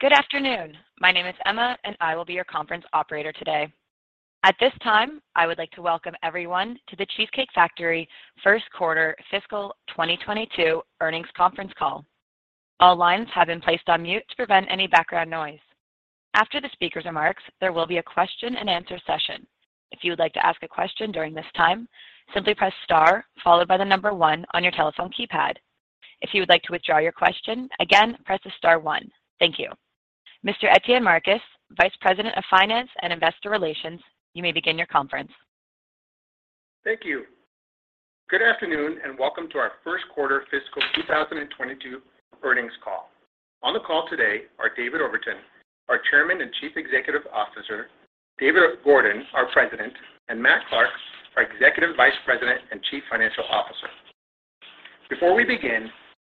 Good afternoon. My name is Emma, and I will be your conference operator today. At this time, I would like to welcome everyone to The Cheesecake Factory First Quarter Fiscal 2022 Earnings Conference Call. All lines have been placed on mute to prevent any background noise. After the speaker's remarks, there will be a question-and-answer session. If you would like to ask a question during this time, simply press star followed by the number one on your telephone keypad. If you would like to withdraw your question, again, press the star one. Thank you. Mr. Etienne Marcus, Vice President of Finance and Investor Relations, you may begin your conference. Thank you. Good afternoon, and welcome to our First Quarter Fiscal 2022 Earnings Call. On the call today are David Overton, our Chairman and Chief Executive Officer, David Gordon, our President, and Matt Clark, our Executive Vice President and Chief Financial Officer. Before we begin,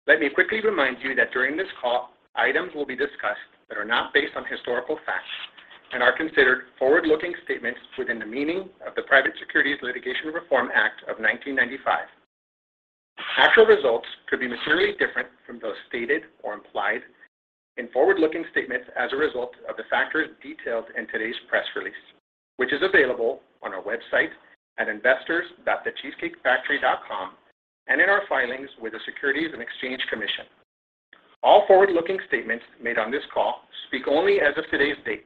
let me quickly remind you that during this call, items will be discussed that are not based on historical facts and are considered forward-looking statements within the meaning of the Private Securities Litigation Reform Act of 1995. Actual results could be materially different from those stated or implied in forward-looking statements as a result of the factors detailed in today's press release, which is available on our website at investors.thecheesecakefactory.com and in our filings with the Securities and Exchange Commission. All forward-looking statements made on this call speak only as of today's date,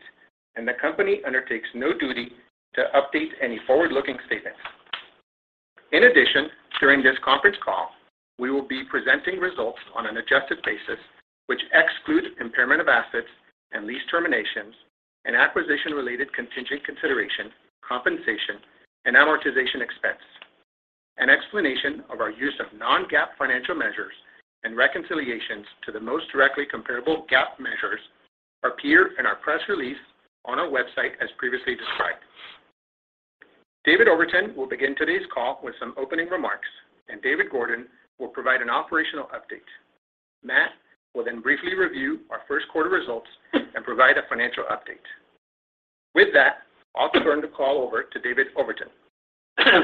and the company undertakes no duty to update any forward-looking statements. In addition, during this conference call, we will be presenting results on an adjusted basis, which exclude impairment of assets and lease terminations and acquisition-related contingent consideration, compensation, and amortization expense. An explanation of our use of non-GAAP financial measures and reconciliations to the most directly comparable GAAP measures appear in our press release on our website as previously described. David Overton will begin today's call with some opening remarks, and David Gordon will provide an operational update. Matt will then briefly review our first quarter results and provide a financial update. With that, I'll turn the call over to David Overton.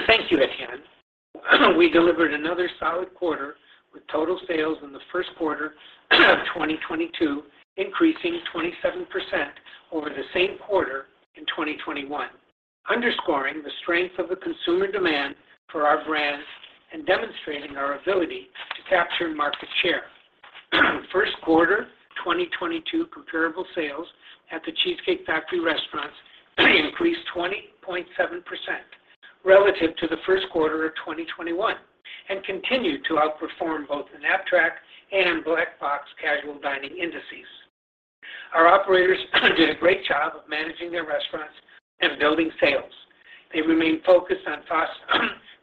Thank you, Etienne. We delivered another solid quarter with total sales in the first quarter of 2022, increasing 27% over the same quarter in 2021, underscoring the strength of the consumer demand for our brand and demonstrating our ability to capture market share. First quarter, 2022 comparable sales at The Cheesecake Factory restaurants increased 20.7% relative to the first quarter of 2021 and continued to outperform both the Knapp-Track and Black Box casual dining indices. Our operators did a great job of managing their restaurants and building sales. They remain focused on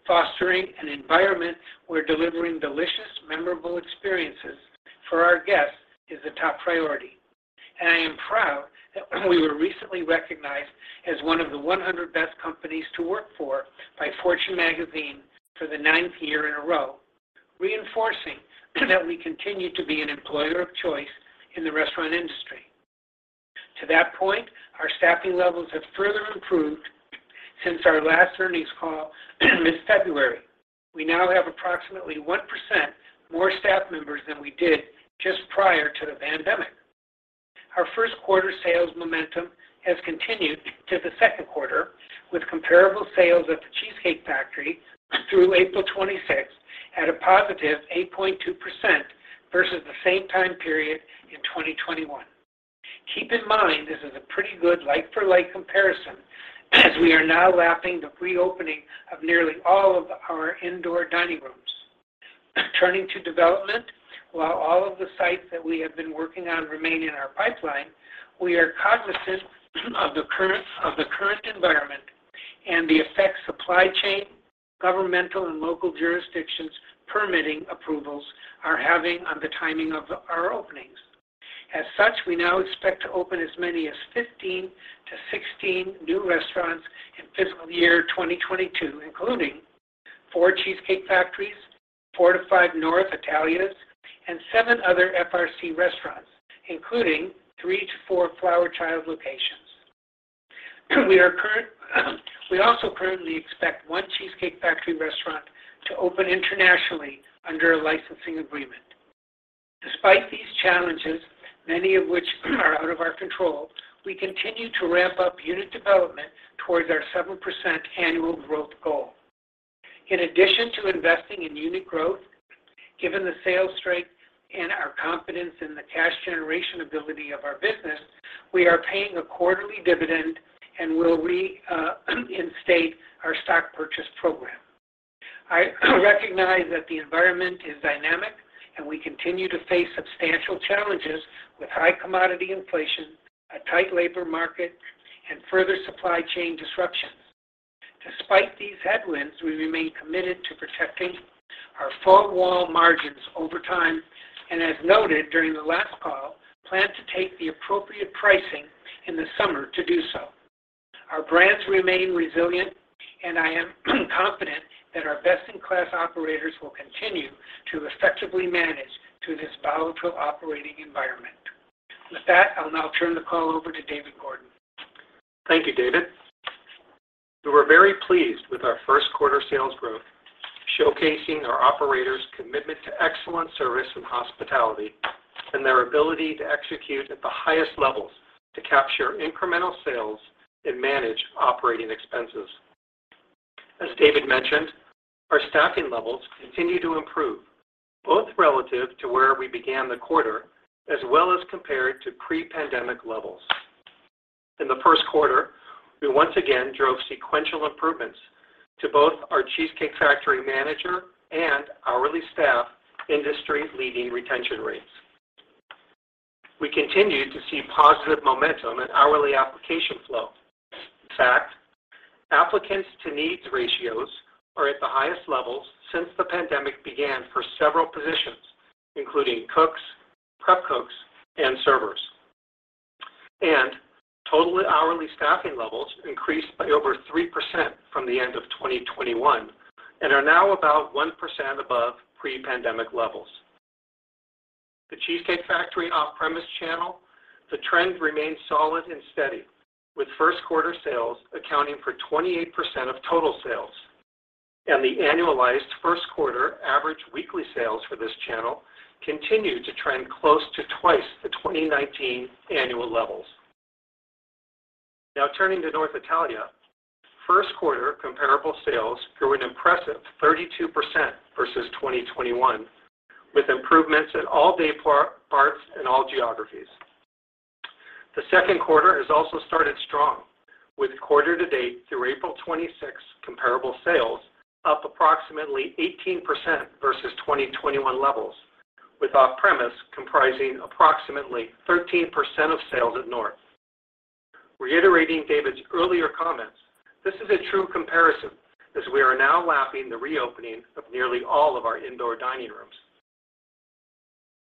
fostering an environment where delivering delicious, memorable experiences for our guests is a top priority. I am proud that we were recently recognized as one of the 100 best companies to work for by Fortune magazine for the ninth year in a row, reinforcing that we continue to be an employer of choice in the restaurant industry. To that point, our staffing levels have further improved since our last earnings call in February. We now have approximately 1% more staff members than we did just prior to the pandemic. Our first quarter sales momentum has continued to the second quarter, with comparable sales at The Cheesecake Factory through April 26 at a positive 8.2% versus the same time period in 2021. Keep in mind, this is a pretty good like-for-like comparison as we are now lapping the reopening of nearly all of our indoor dining rooms. Turning to development, while all of the sites that we have been working on remain in our pipeline, we are cognizant of the current environment and the effects supply chain, governmental, and local jurisdictions permitting approvals are having on the timing of our openings. As such, we now expect to open as many as 15-16 new restaurants in fiscal year 2022, including four Cheesecake Factories, four to five North Italia's, and seven other FRC restaurants, including three to four Flower Child locations. We also currently expect one Cheesecake Factory restaurant to open internationally under a licensing agreement. Despite these challenges, many of which are out of our control, we continue to ramp up unit development towards our 7% annual growth goal. In addition to investing in unit growth, given the sales strength and our confidence in the cash generation ability of our business, we are paying a quarterly dividend and will reinstate our stock purchase program. I recognize that the environment is dynamic, and we continue to face substantial challenges with high commodity inflation, a tight labor market, and further supply chain disruptions. Despite these headwinds, we remain committed to protecting our front wall margins over time and, as noted during the last call, plan to take the appropriate pricing in the summer to do so. Our brands remain resilient, and I am confident that our best-in-class operators will continue to effectively manage through this volatile operating environment. With that, I'll now turn the call over to David Gordon. Thank you, David. With our first quarter sales growth, showcasing our operators' commitment to excellent service and hospitality and their ability to execute at the highest levels to capture incremental sales and manage operating expenses. As David mentioned, our staffing levels continue to improve, both relative to where we began the quarter, as well as compared to pre-pandemic levels. In the first quarter, we once again drove sequential improvements to both our Cheesecake Factory manager and hourly staff industry-leading retention rates. We continued to see positive momentum in hourly application flow. In fact, applicants to needs ratios are at the highest levels since the pandemic began for several positions, including cooks, prep cooks, and servers. Total hourly staffing levels increased by over 3% from the end of 2021 and are now about 1% above pre-pandemic levels. The Cheesecake Factory off-premise channel, the trend remains solid and steady, with first quarter sales accounting for 28% of total sales, and the annualized first quarter average weekly sales for this channel continue to trend close to twice the 2019 annual levels. Now turning to North Italia. First quarter comparable sales grew an impressive 32% versus 2021, with improvements in all dayparts and all geographies. The second quarter has also started strong with quarter-to-date through April 26 comparable sales up approximately 18% versus 2021 levels, with off-premise comprising approximately 13% of sales at North. Reiterating David's earlier comments, this is a true comparison as we are now lapping the reopening of nearly all of our indoor dining rooms.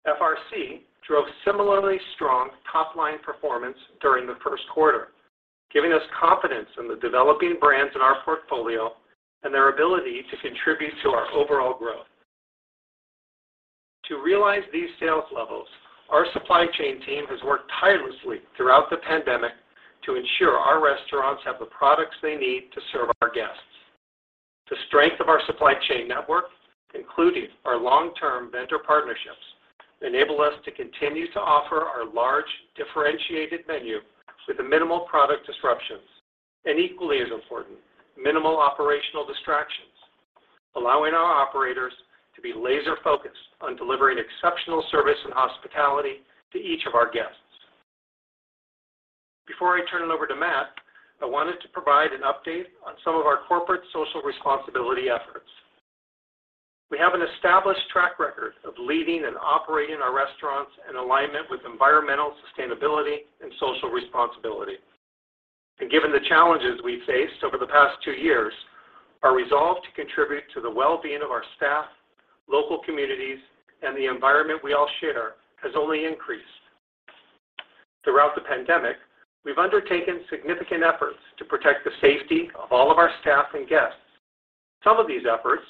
FRC drove similarly strong top-line performance during the first quarter, giving us confidence in the developing brands in our portfolio and their ability to contribute to our overall growth. To realize these sales levels, our supply chain team has worked tirelessly throughout the pandemic to ensure our restaurants have the products they need to serve our guests. The strength of our supply chain network, including our long-term vendor partnerships, enable us to continue to offer our large, differentiated menu with the minimal product disruptions, and equally as important, minimal operational distractions, allowing our operators to be laser-focused on delivering exceptional service and hospitality to each of our guests. Before I turn it over to Matt, I wanted to provide an update on some of our corporate social responsibility efforts. We have an established track record of leading and operating our restaurants in alignment with environmental sustainability and social responsibility. Given the challenges we faced over the past two years, our resolve to contribute to the well-being of our staff, local communities, and the environment we all share has only increased. Throughout the pandemic, we've undertaken significant efforts to protect the safety of all of our staff and guests. Some of these efforts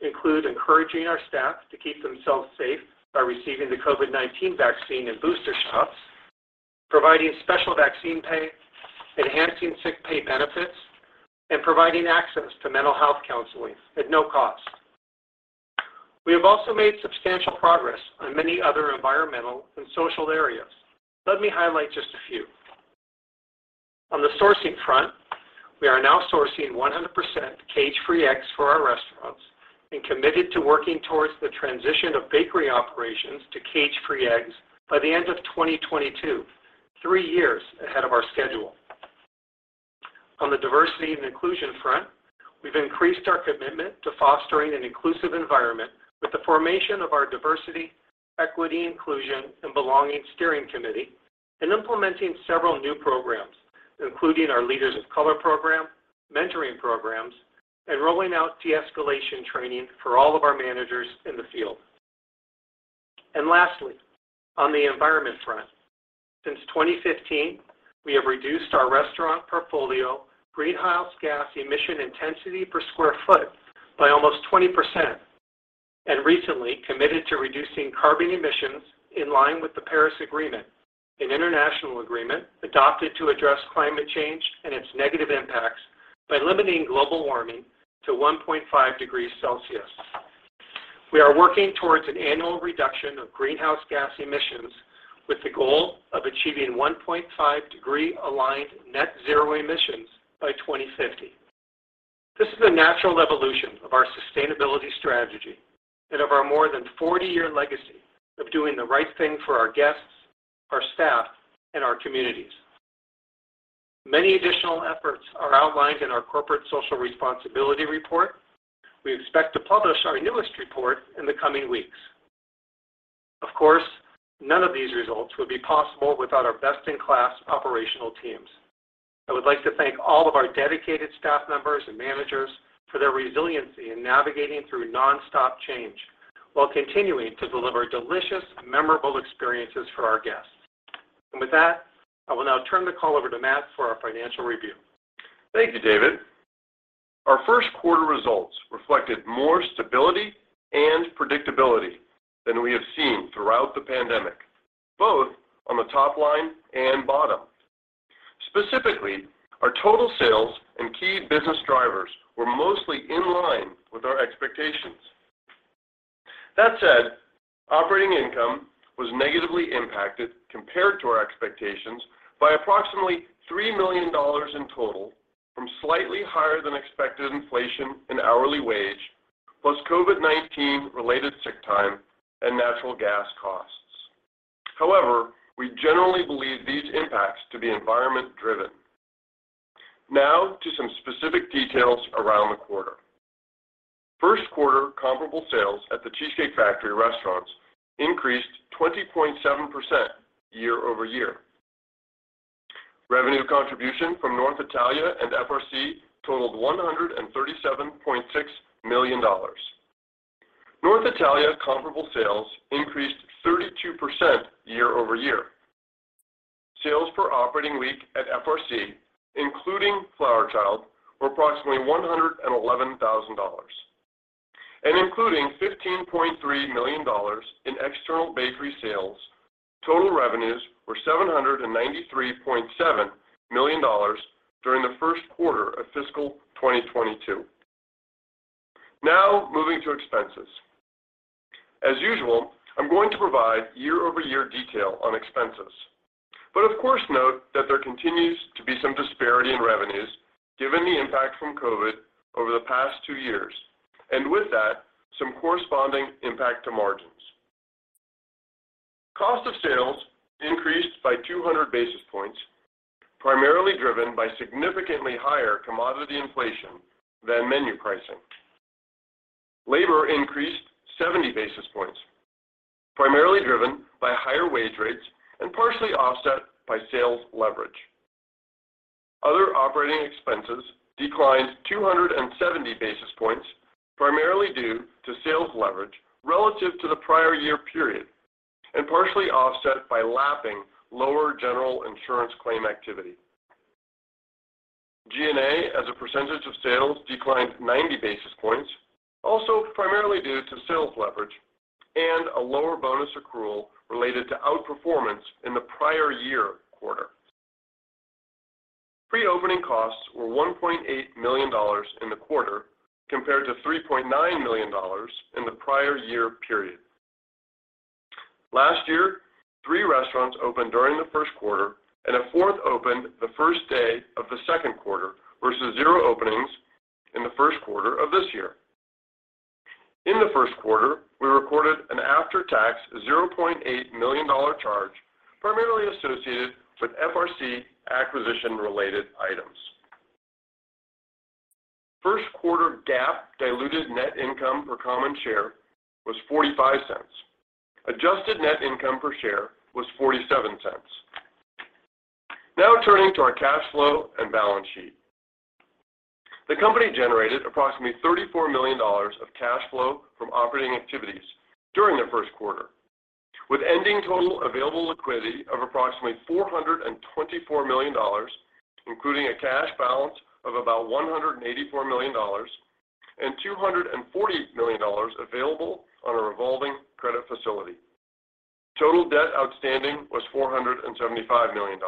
include encouraging our staff to keep themselves safe by receiving the COVID-19 vaccine and booster shots, providing special vaccine pay, enhancing sick pay benefits, and providing access to mental health counseling at no cost. We have also made substantial progress on many other environmental and social areas. Let me highlight just a few. On the sourcing front, we are now sourcing 100% cage-free eggs for our restaurants and committed to working towards the transition of bakery operations to cage-free eggs by the end of 2022, three years ahead of our schedule. On the diversity and inclusion front, we've increased our commitment to fostering an inclusive environment with the formation of our Diversity, Equity, Inclusion, and Belonging Steering Committee and implementing several new programs, including our Leaders of Color program, mentoring programs, and rolling out de-escalation training for all of our managers in the field. Lastly, on the environment front, since 2015, we have reduced our restaurant portfolio greenhouse gas emission intensity per sq ft by almost 20%, and recently committed to reducing carbon emissions in line with the Paris Agreement, an international agreement adopted to address climate change and its negative impacts by limiting global warming to 1.5 degrees Celsius. We are working towards an annual reduction of greenhouse gas emissions with the goal of achieving 1.5 degree aligned net zero emissions by 2050. This is a natural evolution of our sustainability strategy and of our more than 40-year legacy of doing the right thing for our guests, our staff, and our communities. Many additional efforts are outlined in our corporate social responsibility report. We expect to publish our newest report in the coming weeks. Of course, none of these results would be possible without our best-in-class operational teams. I would like to thank all of our dedicated staff members and managers for their resiliency in navigating through nonstop change while continuing to deliver delicious, memorable experiences for our guests. With that, I will now turn the call over to Matt for our financial review. Thank you, David. Our first quarter results reflected more stability in the pandemic, both on the top line and bottom. Specifically, our total sales and key business drivers were mostly in line with our expectations. That said, operating income was negatively impacted compared to our expectations by approximately $3 million in total from slightly higher than expected inflation in hourly wage, plus COVID-19 related sick time and natural gas costs. However, we generally believe these impacts to be environment driven. Now to some specific details around the quarter. First quarter comparable sales at The Cheesecake Factory restaurants increased 20.7% year-over-year. Revenue contribution from North Italia and FRC totaled $137.6 million. North Italia comparable sales increased 32% year-over-year. Sales per operating week at FRC, including Flower Child, were approximately $111,000. Including $15.3 million in external bakery sales, total revenues were $793.7 million during the first quarter of fiscal 2022. Now, moving to expenses. As usual, I'm going to provide year-over-year detail on expenses. Of course, note that there continues to be some disparity in revenues given the impact from COVID over the past two years, and with that, some corresponding impact to margins. Cost of sales increased by 200 basis points, primarily driven by significantly higher commodity inflation than menu pricing. Labor increased 70 basis points, primarily driven by higher wage rates and partially offset by sales leverage. Other operating expenses declined 270 basis points, primarily due to sales leverage relative to the prior year period and partially offset by lapping lower general insurance claim activity. G&A as a percentage of sales declined 90 basis points, also primarily due to sales leverage and a lower bonus accrual related to outperformance in the prior year quarter. Pre-opening costs were $1.8 million in the quarter, compared to $3.9 million in the prior year period. Last year, three restaurants opened during the first quarter, and a fourth opened the first day of the second quarter versus zero openings in the first quarter of this year. In the first quarter, we recorded an after-tax $0.8 million charge, primarily associated with FRC acquisition related items. First quarter GAAP diluted net income per common share was $0.45. Adjusted net income per share was $0.47. Now turning to our cash flow and balance sheet. The company generated approximately $34 million of cash flow from operating activities during the first quarter, with ending total available liquidity of approximately $424 million, including a cash balance of about $184 million and $240 million available on a revolving credit facility. Total debt outstanding was $475 million.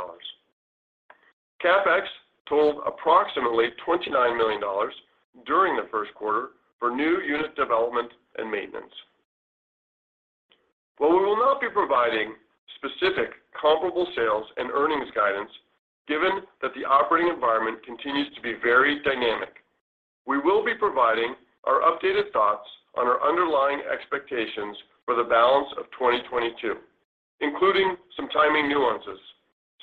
CapEx totaled approximately $29 million during the first quarter for new unit development and maintenance. While we will not be providing specific comparable sales and earnings guidance, given that the operating environment continues to be very dynamic, we will be providing our updated thoughts on our underlying expectations for the balance of 2022, including some timing nuances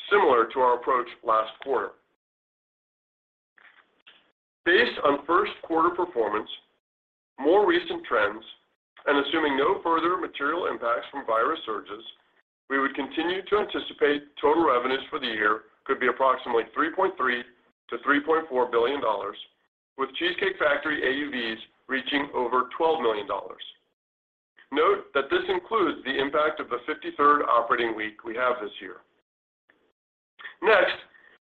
similar to our approach last quarter. Based on first quarter performance, more recent trends, and assuming no further material impacts from virus surges, we would continue to anticipate total revenues for the year could be approximately $3.3 billion-$3.4 billion, with The Cheesecake Factory AUVs reaching over $12 million. Note that this includes the impact of the 53rd operating week we have this year. Next,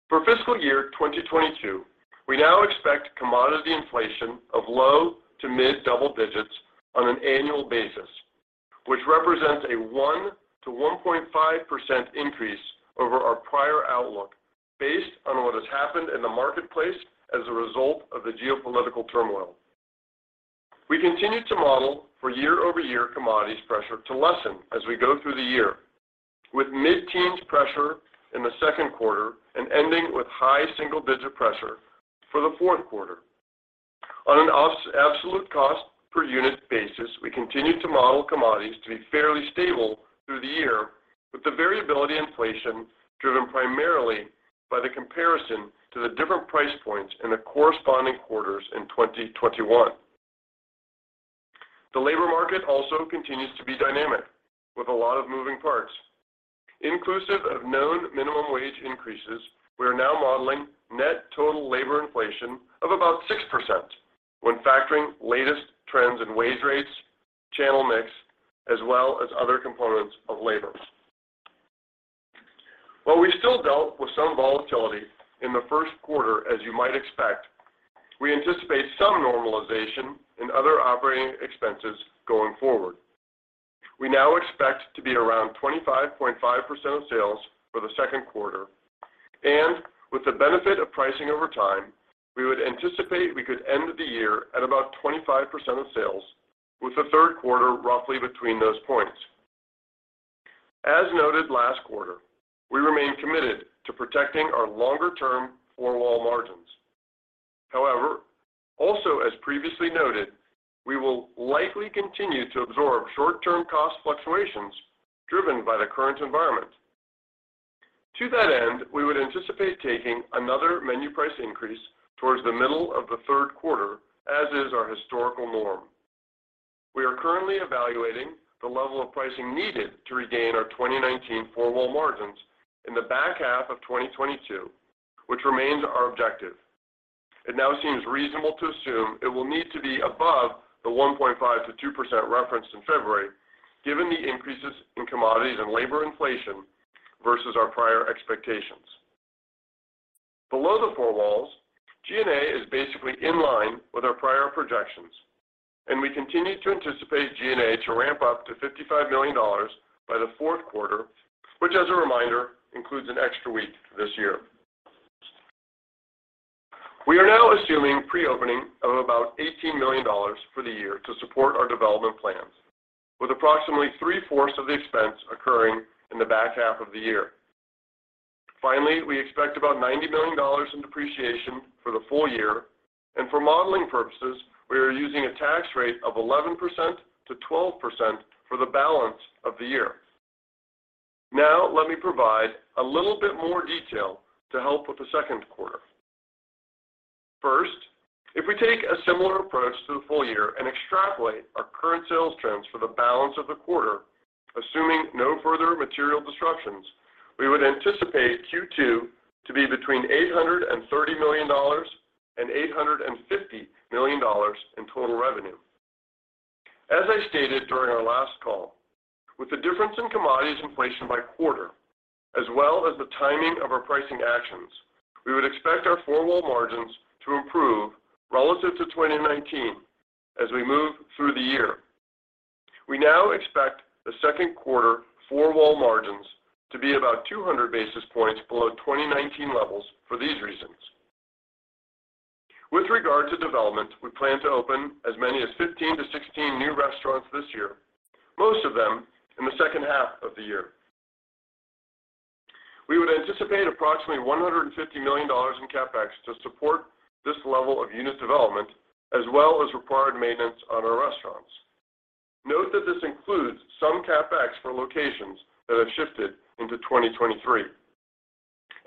for fiscal year 2022, we now expect commodity inflation of low to mid-double digits on an annual basis, which represents a 1%-1.5% increase over our prior outlook based on what has happened in the marketplace as a result of the geopolitical turmoil. We continue to model for year-over-year commodities pressure to lessen as we go through the year, with mid-teens pressure in the second quarter and ending with high single-digit pressure for the fourth quarter. On an absolute cost per unit basis, we continue to model commodities to be fairly stable through the year, with the variability inflation driven primarily by the comparison to the different price points in the corresponding quarters in 2021. The labor market also continues to be dynamic with a lot of moving parts. Inclusive of known minimum wage increases, we are now modeling net total labor inflation of about 6% when factoring latest trends in wage rates, channel mix, as well as other components of labor. While we still dealt with some volatility in the first quarter, as you might expect, we anticipate some normalization in other operating expenses going forward. We now expect to be around 25.5% of sales for the second quarter. With the benefit of pricing over time, we would anticipate we could end the year at about 25% of sales, with the third quarter roughly between those points. As noted last quarter, we remain committed to protecting our longer-term four wall margins. However, also as previously noted, we will likely continue to absorb short-term cost fluctuations driven by the current environment. To that end, we would anticipate taking another menu price increase towards the middle of the third quarter, as is our historical norm. We are currently evaluating the level of pricing needed to regain our 2019 four wall margins in the back half of 2022, which remains our objective. It now seems reasonable to assume it will need to be above the 1.5%-2% referenced in February, given the increases in commodities and labor inflation versus our prior expectations. Below the four walls, G&A is basically in line with our prior projections, and we continue to anticipate G&A to ramp up to $55 million by the fourth quarter, which as a reminder, includes an extra week this year. We are now assuming pre-opening of about $18 million for the year to support our development plans, with approximately 3/4 of the expense occurring in the back half of the year. Finally, we expect about $90 million in depreciation for the full year. For modeling purposes, we are using a tax rate of 11%-12% for the balance of the year. Now let me provide a little bit more detail to help with the second quarter. First, if we take a similar approach to the full year and extrapolate our current sales trends for the balance of the quarter, assuming no further material disruptions, we would anticipate Q2 to be between $830 million and $850 million in total revenue. As I stated during our last call, with the difference in commodities inflation by quarter, as well as the timing of our pricing actions, we would expect our four-wall margins to improve relative to 2019 as we move through the year. We now expect the second quarter four-wall margins to be about 200 basis points below 2019 levels for these reasons. With regard to development, we plan to open as many as 15-16 new restaurants this year, most of them in the second half of the year. We would anticipate approximately $150 million in CapEx to support this level of unit development, as well as required maintenance on our restaurants. Note that this includes some CapEx for locations that have shifted into 2023.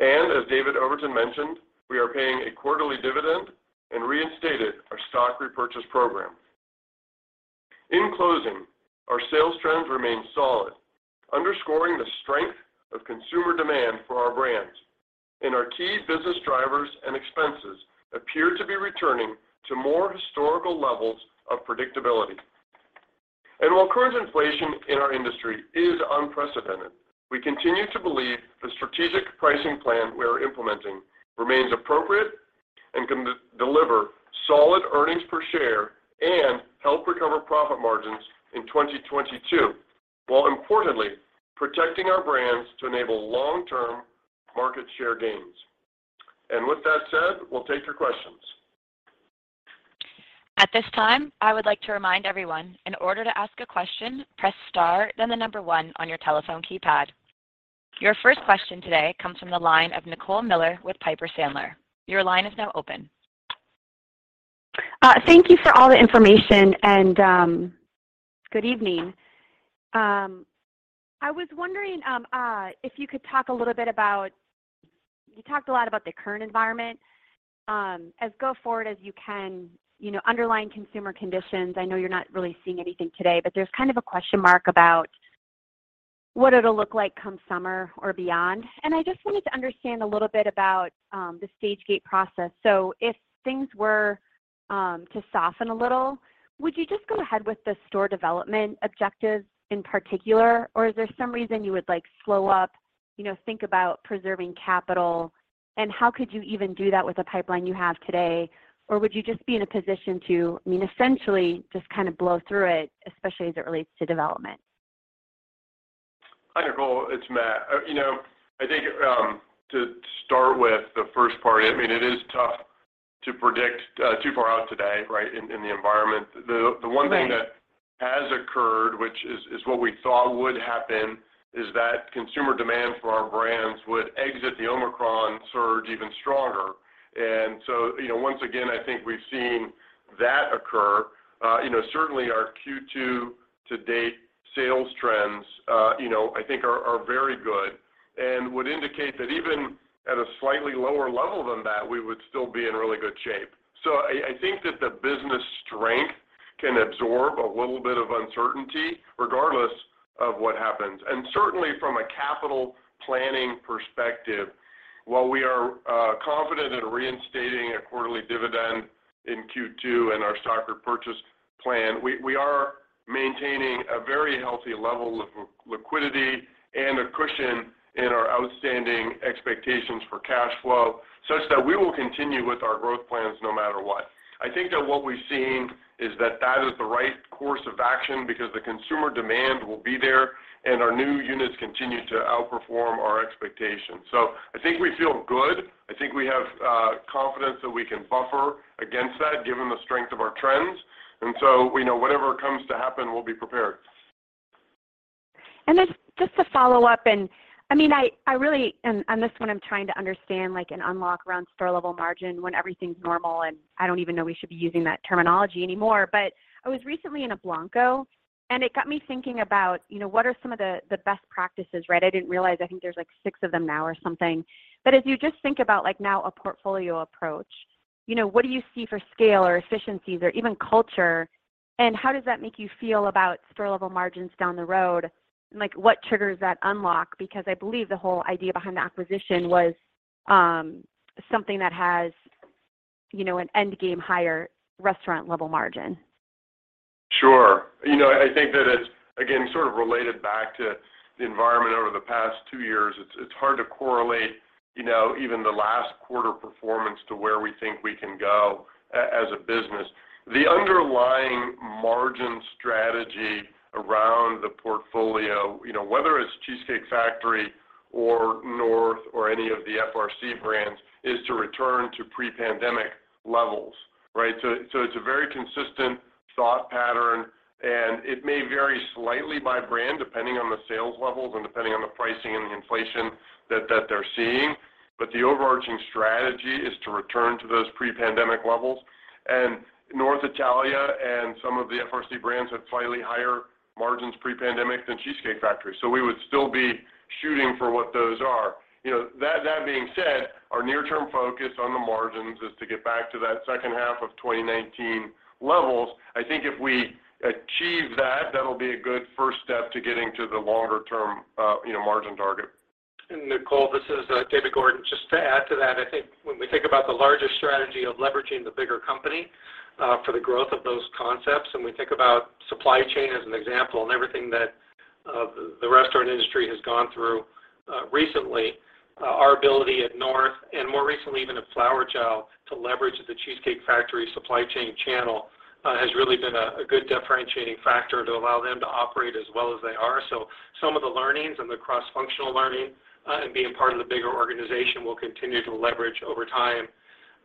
As David Overton mentioned, we are paying a quarterly dividend and reinstated our stock repurchase program. In closing, our sales trends remain solid, underscoring the strength of consumer demand for our brands and our key business drivers and expenses appear to be returning to more historical levels of predictability. While current inflation in our industry is unprecedented, we continue to believe the strategic pricing plan we are implementing remains appropriate and can deliver solid earnings per share and help recover profit margins in 2022, while importantly protecting our brands to enable long-term market share gains. With that said, we'll take your questions. At this time, I would like to remind everyone, in order to ask a question, press star then the number one on your telephone keypad. Your first question today comes from the line of Nicole Miller with Piper Sandler. Your line is now open. Thank you for all the information and good evening. I was wondering if you could talk a little bit about the current environment as far forward as you can, you know, underlying consumer conditions. I know you're not really seeing anything today, but there's kind of a question mark about what it'll look like come summer or beyond. I just wanted to understand a little bit about the stage gate process. If things were to soften a little, would you just go ahead with the store development objectives in particular, or is there some reason you would, like, slow up, you know, think about preserving capital? How could you even do that with the pipeline you have today? Would you just be in a position to, I mean, essentially just kind of blow through it, especially as it relates to development? Hi, Nicole, it's Matt. You know, I think to start with the first part, I mean, it is tough to predict too far out today, right, in the environment. The one thing that has occurred, which is what we thought would happen, is that consumer demand for our brands would exit the Omicron surge even stronger. You know, once again, I think we've seen that occur. You know, certainly our Q2 to date sales trends, you know, I think are very good and would indicate that even at a slightly lower level than that, we would still be in really good shape. I think that the business strength can absorb a little bit of uncertainty regardless of what happens. Certainly from a capital planning perspective. While we are confident in reinstating a quarterly dividend in Q2 and our stock repurchase plan, we are maintaining a very healthy level of liquidity and a cushion in our outstanding expectations for cash flow, such that we will continue with our growth plans no matter what. I think that what we've seen is that is the right course of action because the consumer demand will be there, and our new units continue to outperform our expectations. I think we feel good. I think we have confidence that we can buffer against that given the strength of our trends. You know, whatever comes to happen, we'll be prepared. Just to follow up, I mean, I really, this one I'm trying to understand like an unlock around store level margin when everything's normal, and I don't even know we should be using that terminology anymore. I was recently in a Blanco, and it got me thinking about, you know, what are some of the best practices, right? I didn't realize, I think there's like six of them now or something. If you just think about like now a portfolio approach, you know, what do you see for scale or efficiencies or even culture, and how does that make you feel about store level margins down the road? Like, what triggers that unlock? Because I believe the whole idea behind the acquisition was something that has, you know, an end game higher restaurant level margin. Sure. You know, I think that it's, again, sort of related back to the environment over the past two years. It's hard to correlate, you know, even the last quarter performance to where we think we can go as a business. The underlying margin strategy around the portfolio, you know, whether it's Cheesecake Factory or North or any of the FRC brands, is to return to pre-pandemic levels, right? It's a very consistent thought pattern, and it may vary slightly by brand, depending on the sales levels and depending on the pricing and the inflation that they're seeing, but the overarching strategy is to return to those pre-pandemic levels. North Italia and some of the FRC brands had slightly higher margins pre-pandemic than Cheesecake Factory, so we would still be shooting for what those are. You know, that being said, our near term focus on the margins is to get back to that second half of 2019 levels. I think if we achieve that'll be a good first step to getting to the longer term, you know, margin target. Nicole, this is David Gordon. Just to add to that, I think when we think about the larger strategy of leveraging the bigger company for the growth of those concepts, and we think about supply chain as an example and everything that the restaurant industry has gone through recently, our ability at North Italia and more recently even at Flower Child to leverage The Cheesecake Factory supply chain channel has really been a good differentiating factor to allow them to operate as well as they are. Some of the learnings and the cross-functional learning and being part of the bigger organization will continue to leverage over time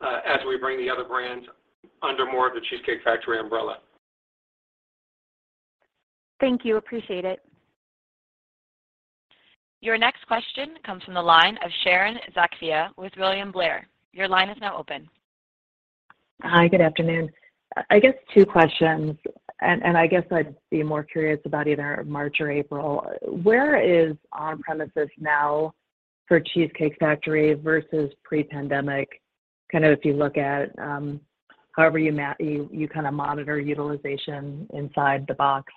as we bring the other brands under more of The Cheesecake Factory umbrella. Thank you. Appreciate it. Your next question comes from the line of Sharon Zackfia with William Blair. Your line is now open. Hi. Good afternoon. I guess two questions, and I guess I'd be more curious about either March or April. Where is on-premises now for Cheesecake Factory versus pre-pandemic, kind of if you look at, however you kind of monitor utilization inside the box?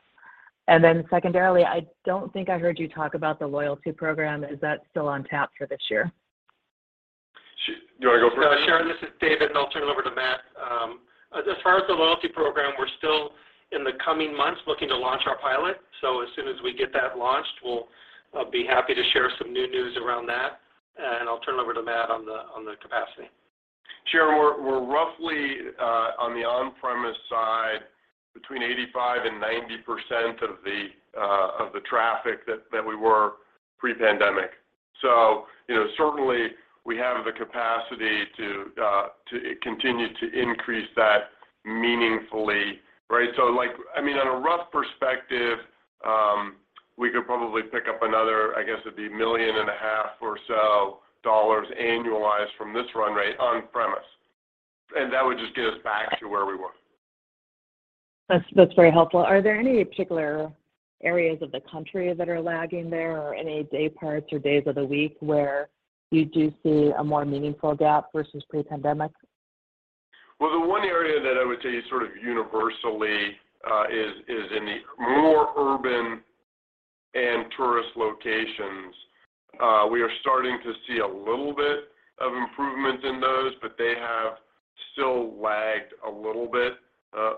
And then secondarily, I don't think I heard you talk about the loyalty program. Is that still on tap for this year? You wanna go first? No, Sharon, this is David, and I'll turn it over to Matt. As far as the loyalty program, we're still in the coming months looking to launch our pilot. As soon as we get that launched, we'll be happy to share some new news around that. I'll turn it over to Matt on the capacity. Sharon, we're roughly on the on-premise side between 85% and 90% of the traffic that we were pre-pandemic. You know, certainly we have the capacity to continue to increase that meaningfully, right? Like, I mean, on a rough perspective, we could probably pick up another, I guess it'd be $1.5 million or so annualized from this run rate on premise, and that would just get us back to where we were. That's very helpful. Are there any particular areas of the country that are lagging there or any day parts or days of the week where you do see a more meaningful gap versus pre-pandemic? Well, the one area that I would say sort of universally is in the more urban and tourist locations. We are starting to see a little bit of improvement in those, but they have still lagged a little bit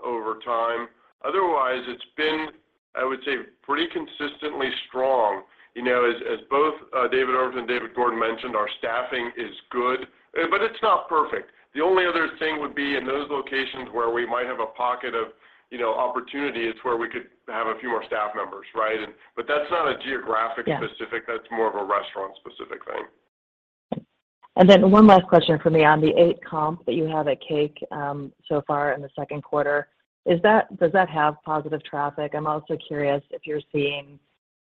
over time. Otherwise, it's been, I would say, pretty consistently strong. You know, as both David Overton and David Gordon mentioned, our staffing is good, but it's not perfect. The only other thing would be in those locations where we might have a pocket of opportunity is where we could have a few more staff members, right? That's not a geographic- Yeah. -specific, that's more of a restaurant specific thing. One last question for me on the eight comp that you have at Cake so far in the second quarter. Does that have positive traffic? I'm also curious if you're seeing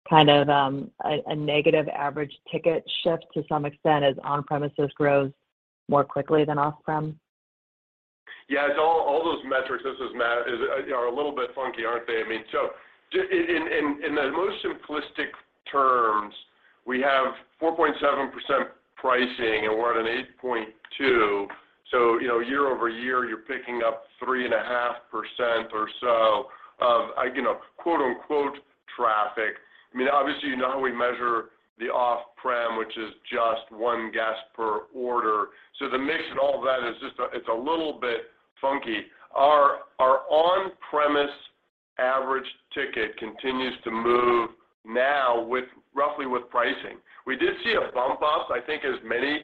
kind of a negative average ticket shift to some extent as on-premises grows more quickly than off-prem. Yeah. It's all those metrics, this is Matt, are a little bit funky, aren't they? I mean, in the most simplistic terms, we have 4.7% pricing, and we're at an 8.2%. You know, year over year, you're picking up 3.5% or so of, you know, quote-unquote, traffic. I mean, obviously, you know how we measure the off-prem, which is just one guest per order. The mix and all that is just a little bit funky. Our on-premise average ticket continues to move now roughly with pricing. We did see a bump up, I think as many,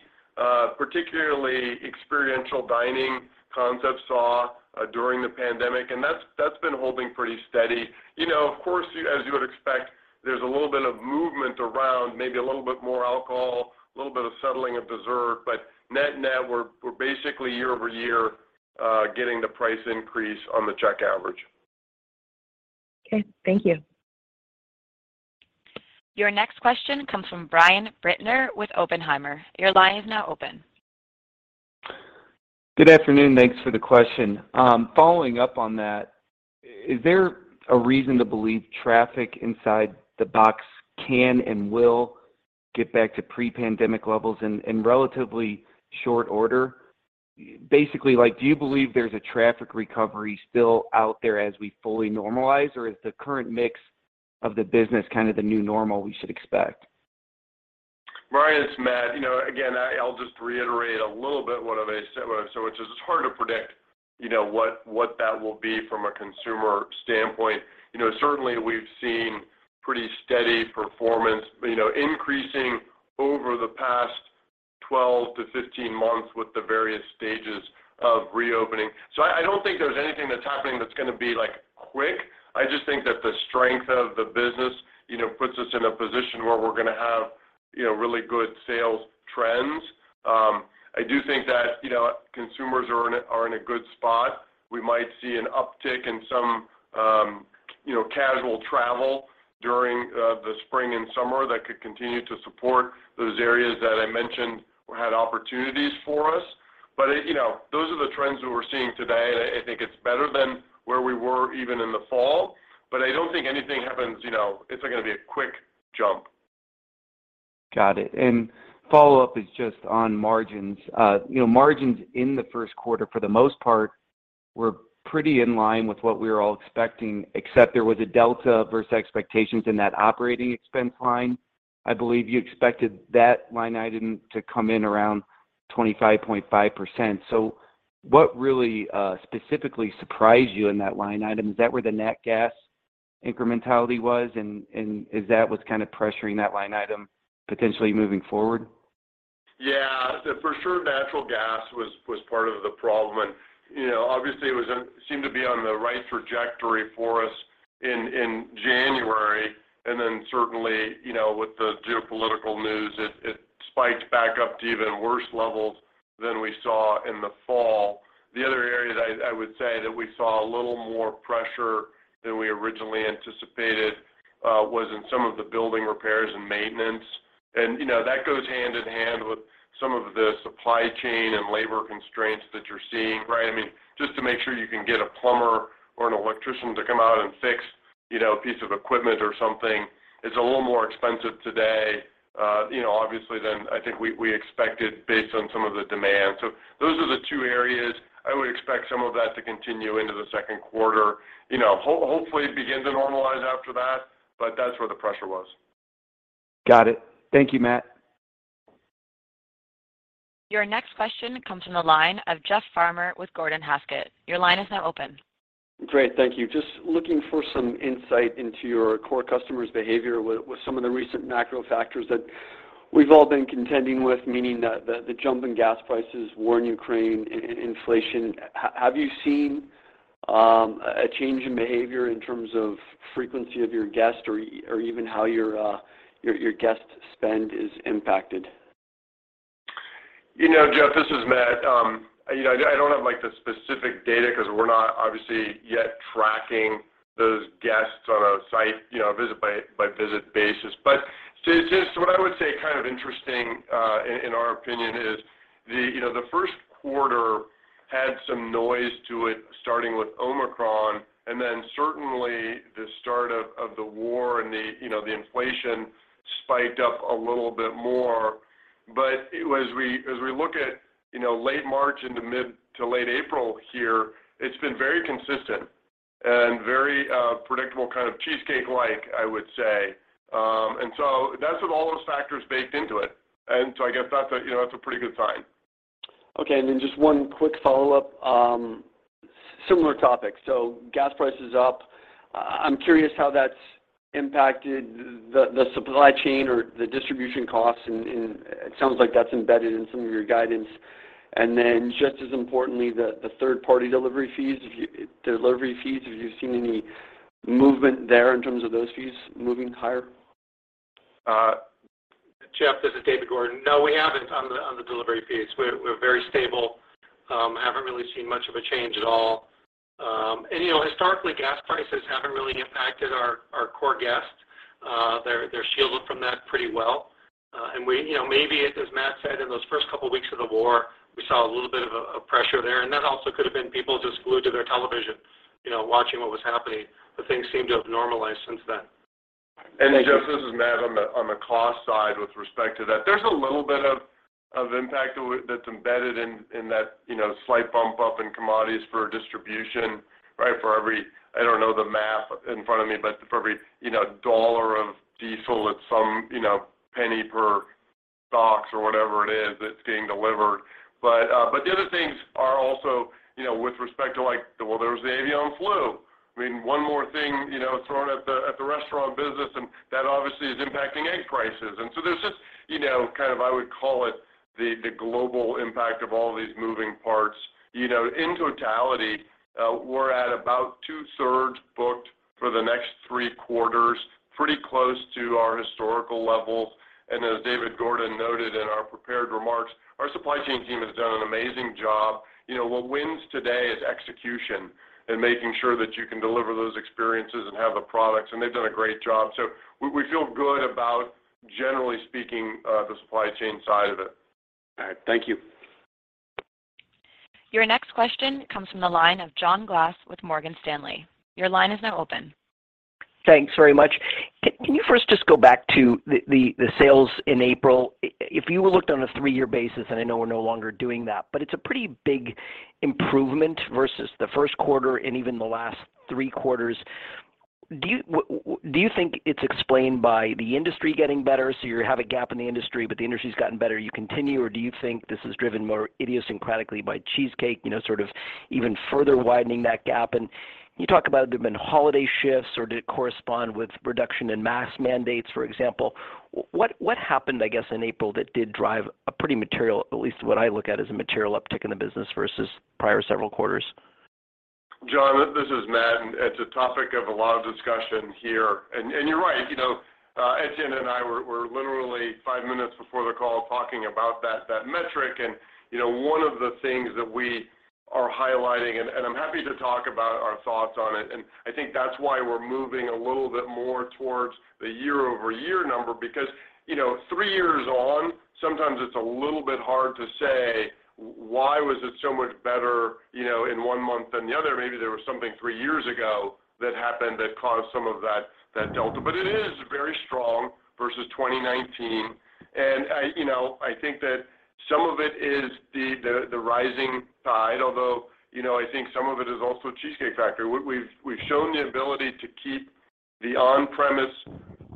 particularly experiential dining concepts saw, during the pandemic, and that's been holding pretty steady. You know, of course, as you would expect, there's a little bit of movement around, maybe a little bit more alcohol, a little bit of settling of dessert, but net-net, we're basically year-over-year getting the price increase on the check average. Okay. Thank you. Your next question comes from Brian Bittner with Oppenheimer. Your line is now open. Good afternoon. Thanks for the question. Following up on that, is there a reason to believe traffic inside the box can and will get back to pre-pandemic levels in relatively short order? Basically, like, do you believe there's a traffic recovery still out there as we fully normalize, or is the current mix of the business kind of the new normal we should expect? Brian, it's Matt. You know, again, I'll just reiterate a little bit. It's just hard to predict, you know, what that will be from a consumer standpoint. You know, certainly, we've seen pretty steady performance, you know, increasing over the past 12-15 months with the various stages of reopening. I don't think there's anything that's happening that's gonna be, like, quick. I just think that the strength of the business, you know, puts us in a position where we're gonna have, you know, really good sales trends. I do think that, you know, consumers are in a good spot. We might see an uptick in some, you know, casual travel during the spring and summer that could continue to support those areas that I mentioned had opportunities for us. You know, those are the trends that we're seeing today, and I think it's better than where we were even in the fall. I don't think anything happens, you know, it's not gonna be a quick jump. Got it. Follow-up is just on margins. You know, margins in the first quarter, for the most part, were pretty in line with what we were all expecting, except there was a delta versus expectations in that operating expense line. I believe you expected that line item to come in around 25.5%. What really, specifically surprised you in that line item? Is that where the nat gas incrementality was, and is that what's kind of pressuring that line item potentially moving forward? Yeah. For sure, natural gas was part of the problem. You know, obviously, it seemed to be on the right trajectory for us in January. Then certainly, you know, with the geopolitical news, it spiked back up to even worse levels than we saw in the fall. The other area that I would say that we saw a little more pressure than we originally anticipated was in some of the building repairs and maintenance. You know, that goes hand in hand with some of the supply chain and labor constraints that you're seeing, right? I mean, just to make sure you can get a plumber or an electrician to come out and fix, you know, a piece of equipment or something is a little more expensive today, you know, obviously than I think we expected based on some of the demand. Those are the two areas. I would expect some of that to continue into the second quarter. You know, hopefully begin to normalize after that, but that's where the pressure was. Got it. Thank you, Matt. Your next question comes from the line of Jeff Farmer with Gordon Haskett. Your line is now open. Great. Thank you. Just looking for some insight into your core customers' behavior with some of the recent macro factors that we've all been contending with, meaning the jump in gas prices, war in Ukraine, inflation. Have you seen a change in behavior in terms of frequency of your guest or even how your guest spend is impacted? You know, Jeff, this is Matt. You know, I don't have, like, the specific data because we're not obviously yet tracking those guests on a site, you know, visit by visit basis. It's just what I would say kind of interesting, in our opinion, is the, you know, the first quarter had some noise to it starting with Omicron, and then certainly the start of the war and the, you know, the inflation spiked up a little bit more. As we look at, you know, late March into mid to late April here, it's been very consistent and very predictable kind of cheesecake-like, I would say. That's with all those factors baked into it. I guess that's a, you know, that's a pretty good sign. Okay. Just one quick follow-up, similar topic. Gas prices up. I'm curious how that's impacted the supply chain or the distribution costs and it sounds like that's embedded in some of your guidance. Just as importantly, the third party delivery fees. Delivery fees, have you seen any movement there in terms of those fees moving higher? Jeff, this is David Gordon. No, we haven't on the delivery fees. We're very stable. Haven't really seen much of a change at all. You know, historically, gas prices haven't really impacted our core guests. They're shielded from that pretty well. You know, maybe as Matt said, in those first couple weeks of the war, we saw a little bit of pressure there, and that also could have been people just glued to their television, you know, watching what was happening, but things seem to have normalized since then. Jeff, this is Matt on the cost side with respect to that. There's a little bit of impact that's embedded in that, you know, slight bump up in commodities for distribution, right? For every... I don't know the math in front of me, but for every, you know, dollar of diesel, it's some, you know, penny per stocks or whatever it is that's being delivered. But the other things are also, you know, with respect to like, well, there was the avian flu. I mean, one more thing, you know, thrown at the restaurant business, and that obviously is impacting egg prices. There's just, you know, kind of I would call it the global impact of all these moving parts. You know, in totality, we're at about two-thirds booked for the next three quarters, pretty close to our historical levels. As David Gordon noted in our prepared remarks, our supply chain team has done an amazing job. You know, what wins today is execution and making sure that you can deliver those experiences and have the products, and they've done a great job. We feel good about, generally speaking, the supply chain side of it. All right. Thank you. Your next question comes from the line of John Glass with Morgan Stanley. Your line is now open. Thanks very much. Can you first just go back to the sales in April? If you looked on a three-year basis, and I know we're no longer doing that, but it's a pretty big improvement versus the first quarter and even the last three quarters. Do you think it's explained by the industry getting better, so you have a gap in the industry, but the industry's gotten better, you continue, or do you think this is driven more idiosyncratically by Cheesecake, you know, sort of even further widening that gap? You talk about there have been holiday shifts or did it correspond with reduction in mask mandates, for example. What happened, I guess, in April that did drive a pretty material, at least what I look at as a material uptick in the business versus prior several quarters? John, this is Matt, and it's a topic of a lot of discussion here. You're right. You know, Etienne and I were literally five minutes before the call talking about that metric. You know, one of the things that we are highlighting, and I'm happy to talk about our thoughts on it, and I think that's why we're moving a little bit more towards the year-over-year number, because, you know, three years on, sometimes it's a little bit hard to say, "Why was it so much better, you know, in one month than the other?" Maybe there was something three years ago that happened that caused some of that delta. It is very strong versus 2019. I you know I think that some of it is the rising tide, although you know I think some of it is also The Cheesecake Factory. We've shown the ability to keep the on-premise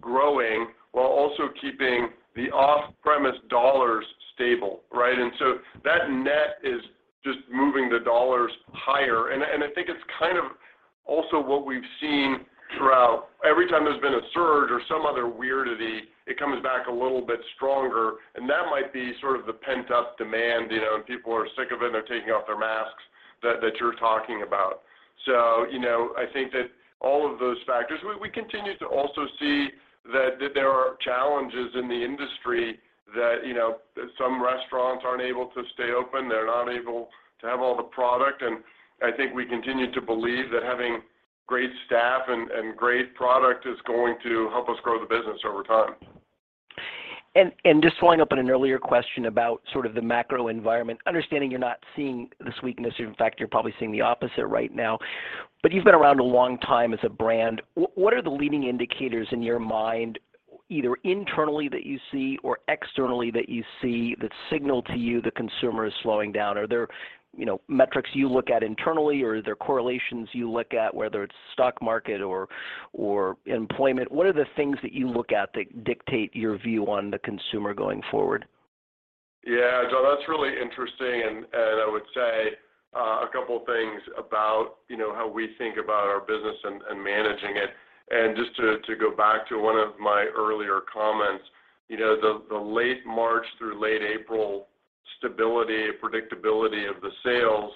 growing while also keeping the off-premise dollars stable, right? That net is just moving the dollars higher. I think it's kind of also what we've seen throughout every time there's been a surge or some other weirdness, it comes back a little bit stronger, and that might be sort of the pent-up demand, you know, and people are sick of it and they're taking off their masks that you're talking about. You know, I think that all of those factors. We continue to also see that there are challenges in the industry that, you know, some restaurants aren't able to stay open, they're not able to have all the product, and I think we continue to believe that having great staff and great product is going to help us grow the business over time. Just following up on an earlier question about sort of the macro environment. Understanding you're not seeing this weakness, in fact, you're probably seeing the opposite right now, but you've been around a long time as a brand. What are the leading indicators in your mind, either internally that you see or externally that you see that signal to you the consumer is slowing down? Are there, you know, metrics you look at internally or are there correlations you look at, whether it's stock market or employment? What are the things that you look at that dictate your view on the consumer going forward? Yeah. John, that's really interesting, and I would say a couple things about, you know, how we think about our business and managing it. Just to go back to one of my earlier comments, you know, the late March through late April stability, predictability of the sales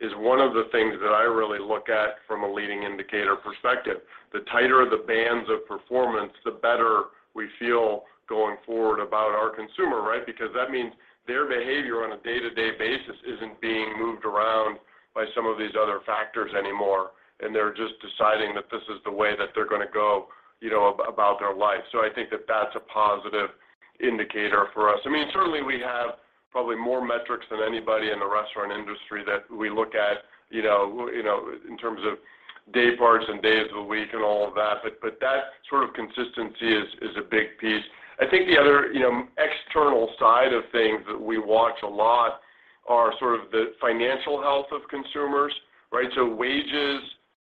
is one of the things that I really look at from a leading indicator perspective. The tighter the bands of performance, the better we feel going forward about our consumer, right? Because that means their behavior on a day-to-day basis isn't being moved around by some of these other factors anymore, and they're just deciding that this is the way that they're gonna go, you know, about their life. I think that that's a positive indicator for us. I mean, certainly we have probably more metrics than anybody in the restaurant industry that we look at, you know, in terms of day parts and days of the week and all of that, but that sort of consistency is a big piece. I think the other, you know, external side of things that we watch a lot are sort of the financial health of consumers, right? So wages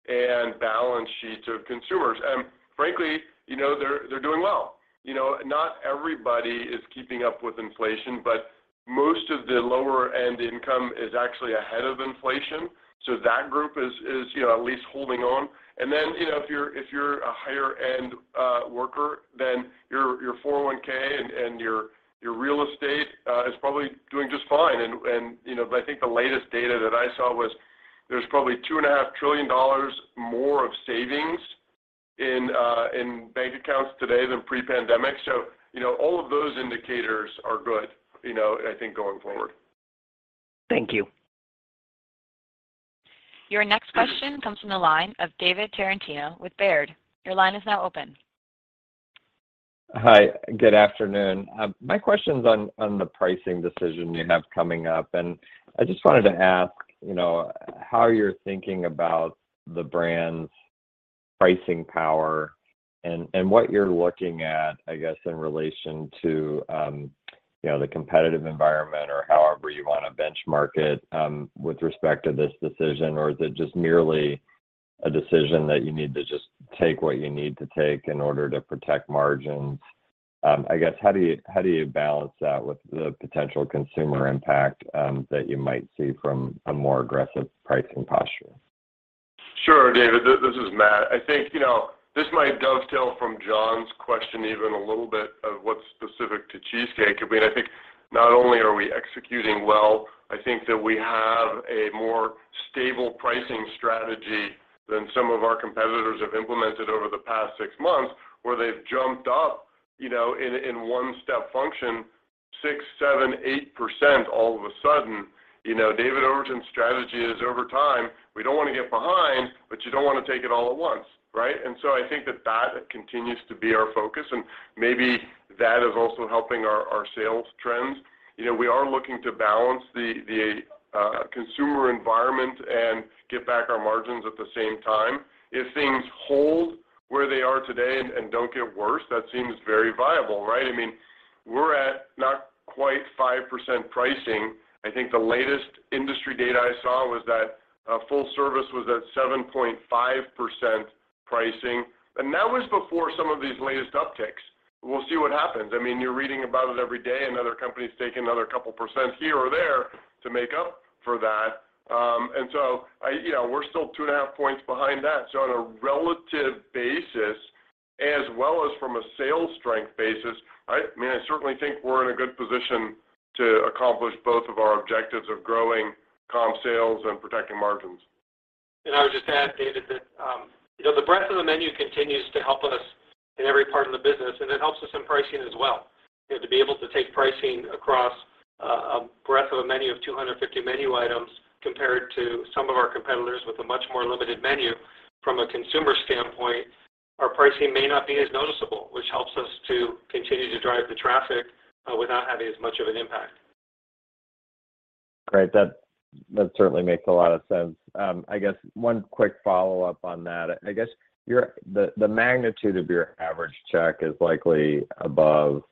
and balance sheets of consumers. Frankly, you know, they're doing well. You know, not everybody is keeping up with inflation, but most of the lower end income is actually ahead of inflation, so that group is, you know, at least holding on. You know, if you're a higher end worker, then your 401(k) and your real estate is probably doing just fine. You know, but I think the latest data that I saw was there's probably $2.5 trillion more of savings in bank accounts today than pre-pandemic. You know, all of those indicators are good, you know, I think going forward. Thank you. Your next question comes from the line of David Tarantino with Baird. Your line is now open. Hi, good afternoon. My question's on the pricing decision you have coming up. I just wanted to ask, you know, how you're thinking about the brand's pricing power and what you're looking at, I guess, in relation to, you know, the competitive environment or however you wanna benchmark it, with respect to this decision or is it just merely a decision that you need to just take what you need to take in order to protect margins? I guess, how do you balance that with the potential consumer impact that you might see from a more aggressive pricing posture? Sure, David. This is Matt. I think, you know, this might dovetail from John's question even a little bit of what's specific to Cheesecake. I mean, I think not only are we executing well, I think that we have a more stable pricing strategy than some of our competitors have implemented over the past six months, where they've jumped up, you know, in one step function 6%, 7%, 8% all of a sudden. You know, David Overton's strategy is over time, we don't wanna get behind, but you don't wanna take it all at once, right? I think that that continues to be our focus, and maybe that is also helping our sales trends. You know, we are looking to balance the consumer environment and get back our margins at the same time. If things hold where they are today and don't get worse, that seems very viable, right? I mean, we're at not quite 5% pricing. I think the latest industry data I saw was that full service was at 7.5% pricing. That was before some of these latest upticks. We'll see what happens. I mean, you're reading about it every day, and other companies taking another couple percent here or there to make up for that. You know, we're still 2.5 points behind that. On a relative basis as well as from a sales strength basis, I mean, I certainly think we're in a good position to accomplish both of our objectives of growing comp sales and protecting margins. I would just add, David, that, you know, the breadth of the menu continues to help us in every part of the business, and it helps us in pricing as well. You know, to be able to take pricing across, a breadth of a menu of 250 menu items compared to some of our competitors with a much more limited menu. From a consumer standpoint, our pricing may not be as noticeable, which helps us to continue to drive the traffic, without having as much of an impact. Great. That certainly makes a lot of sense. I guess one quick follow-up on that. I guess the magnitude of your average check is likely above,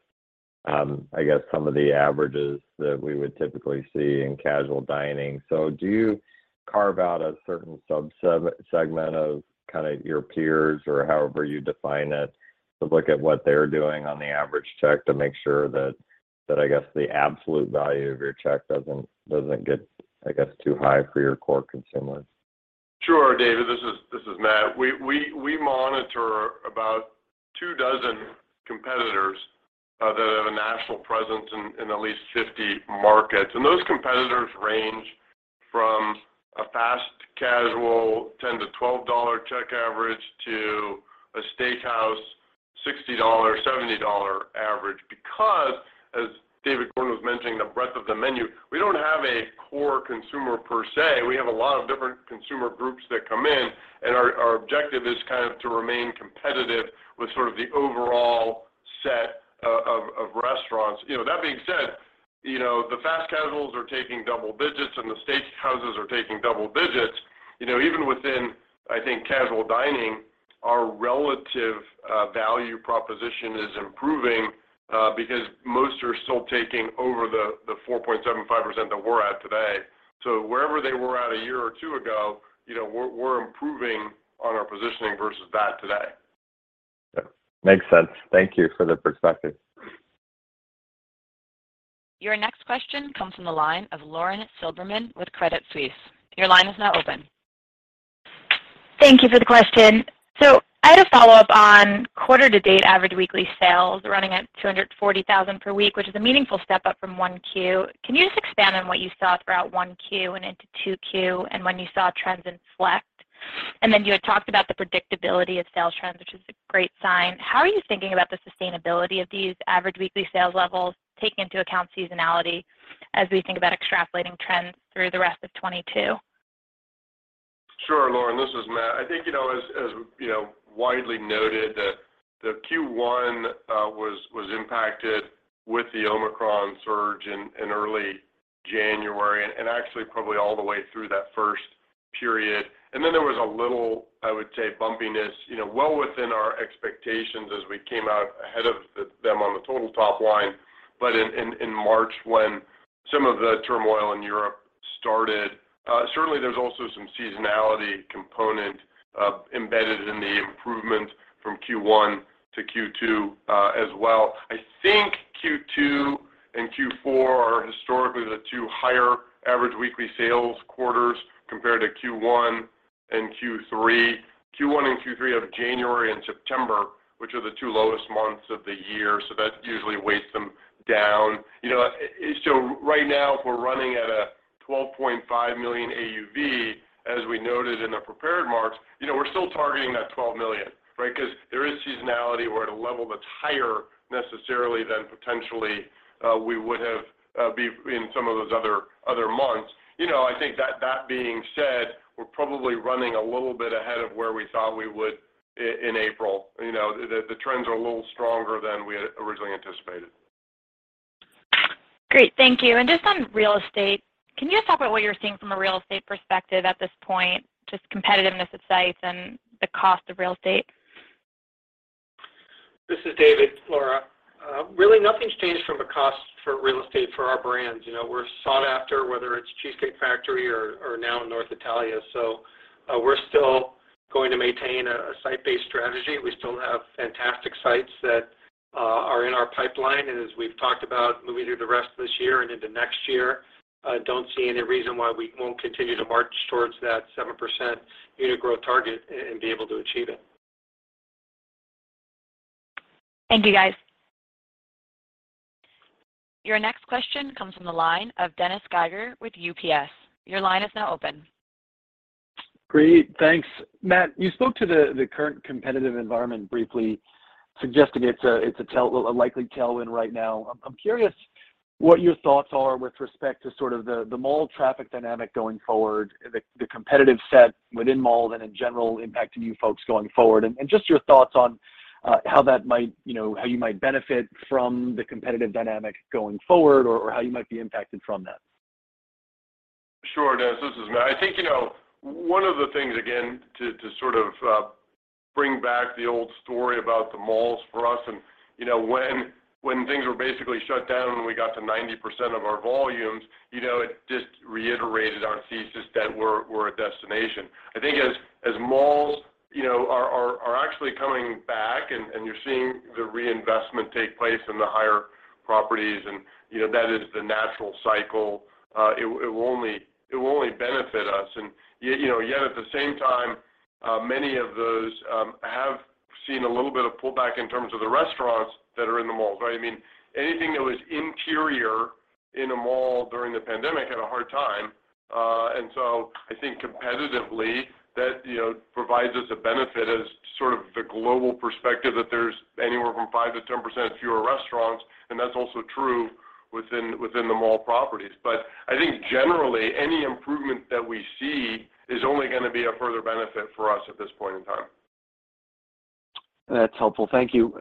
I guess, some of the averages that we would typically see in casual dining. Do you carve out a certain sub-segment of kinda your peers or however you define it to look at what they're doing on the average check to make sure that I guess the absolute value of your check doesn't get, I guess, too high for your core consumers? Sure, David. This is Matt. We monitor about two dozen competitors that have a national presence in at least 50 markets. Those competitors range from a fast casual $10-$12 check average to a steakhouse $60-$70 average. Because, as David Gordon was mentioning, the breadth of the menu, we don't have a core consumer per se. We have a lot of different consumer groups that come in, and our objective is kind of to remain competitive with sort of the overall set of restaurants. You know, that being said, you know, the fast casuals are taking double digits, and the steakhouses are taking double digits. You know, even within, I think, casual dining, our relative value proposition is improving, because most are still taking over the 4.75% that we're at today. Wherever they were at a year or two ago, you know, we're improving on our positioning versus that today. Yep. Makes sense. Thank you for the perspective. Your next question comes from the line of Lauren Silberman with Credit Suisse. Your line is now open. Thank you for the question. I had a follow-up on quarter to date average weekly sales running at $240,000 per week, which is a meaningful step up from 1Q. Can you just expand on what you saw throughout 1Q and into 2Q and when you saw trends in select? Then you had talked about the predictability of sales trends, which is a great sign. How are you thinking about the sustainability of these average weekly sales levels taking into account seasonality as we think about extrapolating trends through the rest of 2022? Sure, Lauren. This is Matt. I think, you know, as you know, widely noted that the Q1 was impacted with the Omicron surge in early January and actually probably all the way through that first period. There was a little, I would say, bumpiness, you know, well within our expectations as we came out ahead of them on the total top line, but in March when some of the turmoil in Europe started. Certainly there's also some seasonality component embedded in the improvement from Q1 to Q2, as well. I think Q2 and Q4 are historically the two higher average weekly sales quarters compared to Q1 and Q3. Q1 and Q3 of January and September, which are the two lowest months of the year, so that usually weighs them down. You know, right now, if we're running at a $12.5 million AUV, as we noted in the prepared remarks, you know, we're still targeting that $12 million, right? Because there is seasonality. We're at a level that's higher necessarily than potentially we would have be in some of those other months. You know, I think that being said, we're probably running a little bit ahead of where we thought we would in April. You know, the trends are a little stronger than we had originally anticipated. Great. Thank you. Just on real estate, can you just talk about what you're seeing from a real estate perspective at this point, just competitiveness of sites and the cost of real estate? This is David, Lauren Silberman. Really nothing's changed from a cost for real estate for our brands. You know, we're sought after, whether it's Cheesecake Factory or now North Italia. We're still going to maintain a site-based strategy. We still have fantastic sites that are in our pipeline, and as we've talked about moving through the rest of this year and into next year, I don't see any reason why we won't continue to march toward that 7% unit growth target and be able to achieve it. Thank you, guys. Your next question comes from the line of Dennis Geiger with UBS. Your line is now open. Great. Thanks. Matt, you spoke to the current competitive environment briefly, suggesting it's a likely tailwind right now. I'm curious what your thoughts are with respect to sort of the mall traffic dynamic going forward, the competitive set within malls and in general impacting you folks going forward, and just your thoughts on how that might, you know, how you might benefit from the competitive dynamic going forward or how you might be impacted from that. Sure, Dennis. This is Matt. I think, you know, one of the things, again, to sort of bring back the old story about the malls for us and, you know, when things were basically shut down and we got to 90% of our volumes, you know, it just reiterated our thesis that we're a destination. I think as malls, you know, are actually coming back and you're seeing the reinvestment take place in the higher properties and, you know, that is the natural cycle, it will only benefit us. Yet, you know, at the same time, many of those have seen a little bit of pullback in terms of the restaurants that are in the malls, right? I mean, anything that was interior in a mall during the pandemic had a hard time. I think competitively that, you know, provides us a benefit as sort of the global perspective that there's anywhere from 5%-10% fewer restaurants, and that's also true within the mall properties. I think generally, any improvement that we see is only gonna be a further benefit for us at this point in time. That's helpful. Thank you.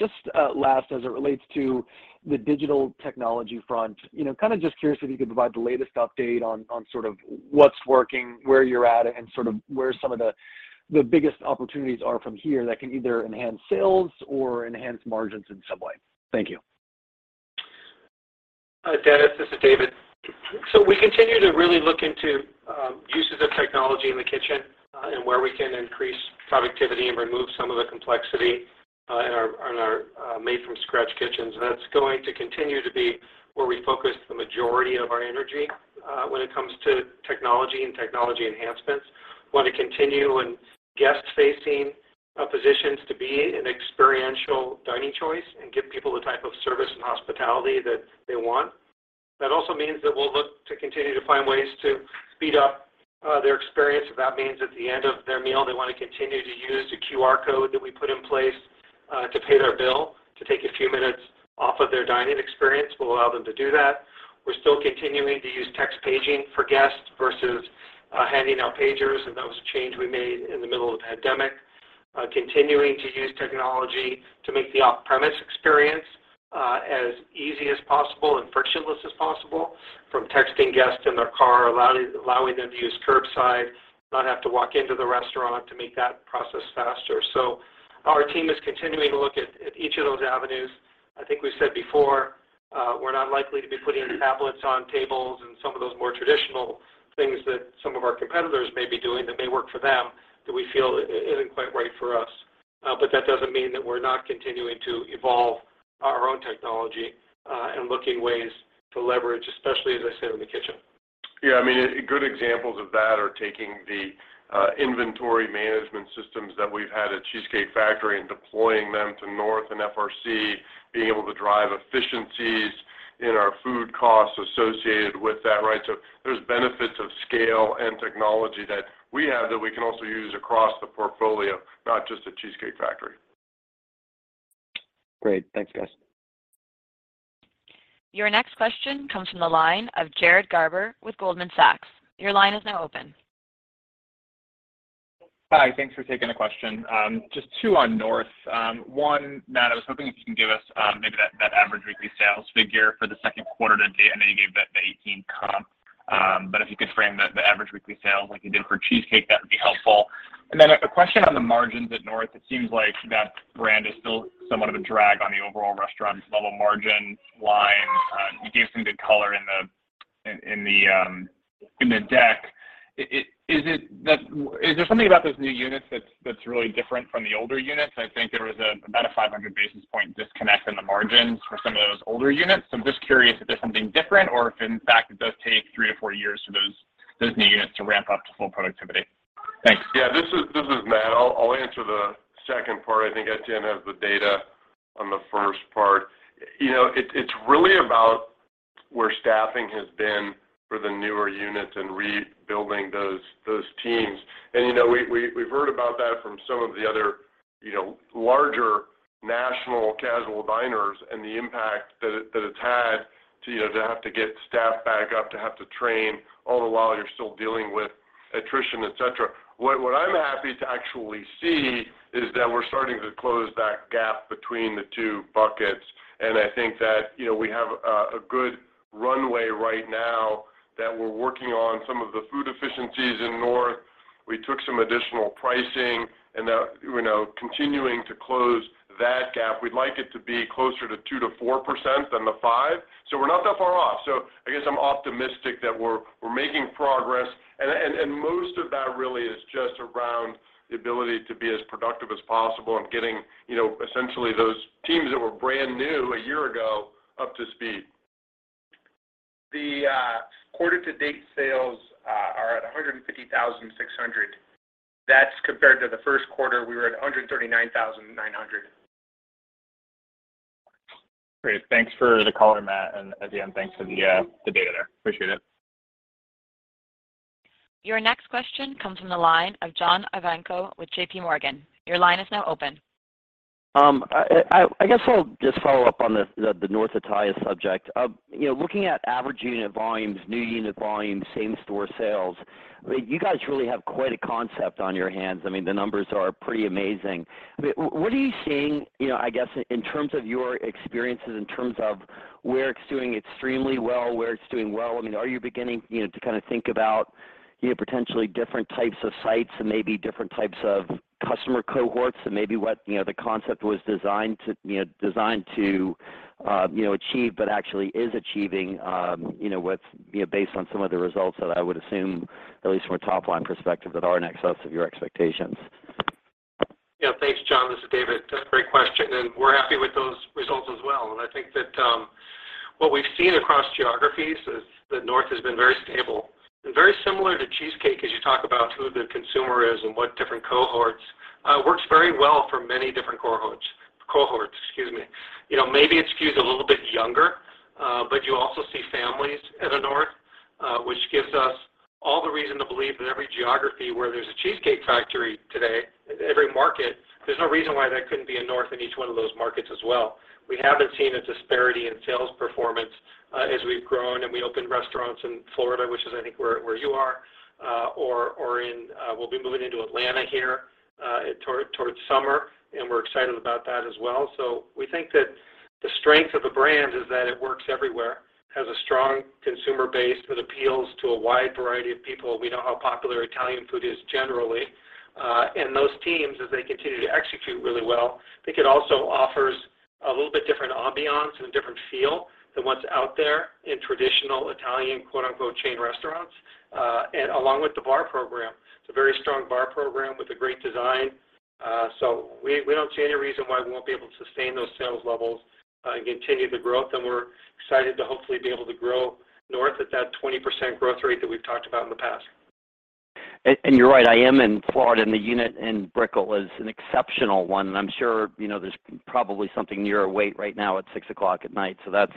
Just last, as it relates to the digital technology front, you know, kind of just curious if you could provide the latest update on sort of what's working, where you're at, and sort of where some of the biggest opportunities are from here that can either enhance sales or enhance margins in some way. Thank you. Dennis, this is David. We continue to really look into uses of technology in the kitchen and where we can increase productivity and remove some of the complexity in our made from scratch kitchens. That's going to continue to be where we focus the majority of our energy when it comes to technology and technology enhancements. Want to continue in guest-facing positions to be an experiential dining choice and give people the type of service and hospitality that they want. That also means that we'll look to continue to find ways to speed up their experience. If that means at the end of their meal, they want to continue to use the QR code that we put in place to pay their bill, to take a few minutes off of their dining experience, we'll allow them to do that. We're still continuing to use text paging for guests versus handing out pagers, and that was a change we made in the middle of the pandemic. Continuing to use technology to make the off-premise experience as easy as possible and frictionless as possible from texting guests in their car, allowing them to use curbside, not have to walk into the restaurant to make that process faster. Our team is continuing to look at each of those avenues. I think we said before, we're not likely to be putting tablets on tables and some of those more traditional things that some of our competitors may be doing that may work for them, that we feel it isn't quite right for us. That doesn't mean that we're not continuing to evolve our own technology, and looking for ways to leverage, especially, as I said, in the kitchen. Yeah, I mean, good examples of that are taking the inventory management systems that we've had at Cheesecake Factory and deploying them to North Italia and FRC, being able to drive efficiencies in our food costs associated with that, right? There's benefits of scale and technology that we have that we can also use across the portfolio, not just at Cheesecake Factory. Great. Thanks, guys. Your next question comes from the line of Jared Garber with Goldman Sachs. Your line is now open. Hi. Thanks for taking the question. Just two on North. One, Matt, I was hoping if you can give us, maybe that average weekly sales figure for the second quarter to date. I know you gave that, the 18 comp. But if you could frame the average weekly sales like you did for Cheesecake, that would be helpful. A question on the margins at North. It seems like that brand is still somewhat of a drag on the overall restaurants level margin line. You gave some good color in the deck. Is it that? Is there something about those new units that's really different from the older units? I think there was about a 500 basis points disconnect in the margins for some of those older units. I'm just curious if there's something different or if in fact it does take three to four years for those new units to ramp up to full productivity. Thanks. Yeah. This is Matt. I'll answer the second part. I think Etienne has the data on the first part. You know, it's really about where staffing has been for the newer units and rebuilding those teams. You know, we've heard about that from some of the other, you know, larger national casual diners and the impact that it's had to, you know, to have to get staff back up, to have to train, all the while you're still dealing with attrition, et cetera. What I'm happy to actually see is that we're starting to close that gap between the two buckets, and I think that, you know, we have a good runway right now that we're working on some of the food efficiencies in North Italia. We took some additional pricing and now, you know, continuing to close that gap. We'd like it to be closer to 2%-4% than the 5%. We're not that far off. I guess I'm optimistic that we're making progress and most of that really is just around the ability to be as productive as possible and getting, you know, essentially those teams that were brand new a year ago up to speed. The quarter to date sales are at $150,600. That's compared to the first quarter, we were at $139,900. Great. Thanks for the color, Matt, and again, thanks for the data there. Appreciate it. Your next question comes from the line of John Ivankoe with J.P. Morgan. Your line is now open. I guess I'll just follow up on the North Italia subject. You know, looking at average unit volumes, new unit volumes, same store sales, you guys really have quite a concept on your hands. I mean, the numbers are pretty amazing. I mean, what are you seeing, you know, I guess in terms of your experiences, in terms of where it's doing extremely well, where it's doing well? I mean, are you beginning, you know, to kind of think about, you know, potentially different types of sites and maybe different types of customer cohorts and maybe what, you know, the concept was designed to achieve, but actually is achieving, you know, what's based on some of the results that I would assume, at least from a top-line perspective, that are in excess of your expectations. Yeah. Thanks, John. This is David. That's a great question, and we're happy with those results as well. I think that what we've seen across geographies is that North has been very stable and very similar to Cheesecake as you talk about who the consumer is and what different cohorts works very well for many different cohorts, excuse me. You know, maybe it skews a little bit younger, but you also see families at a North, which gives us all the reason to believe that every geography where there's a Cheesecake Factory today, every market, there's no reason why there couldn't be a North in each one of those markets as well. We haven't seen a disparity in sales performance as we've grown, and we opened restaurants in Florida, which I think is where you are or we'll be moving into Atlanta here toward summer, and we're excited about that as well. We think that the strength of the brand is that it works everywhere. It has a strong consumer base that appeals to a wide variety of people. We know how popular Italian food is generally. Those teams, as they continue to execute really well, I think it also offers a little bit different ambiance and a different feel than what's out there in traditional Italian, quote-unquote, "chain restaurants." Along with the bar program, it's a very strong bar program with a great design. We don't see any reason why we won't be able to sustain those sales levels, and continue the growth, and we're excited to hopefully be able to grow North Italia at that 20% growth rate that we've talked about in the past. You're right, I am in Florida, and the unit in Brickell is an exceptional one. I'm sure, you know, there's probably a wait right now at 6:00 P.M. That's,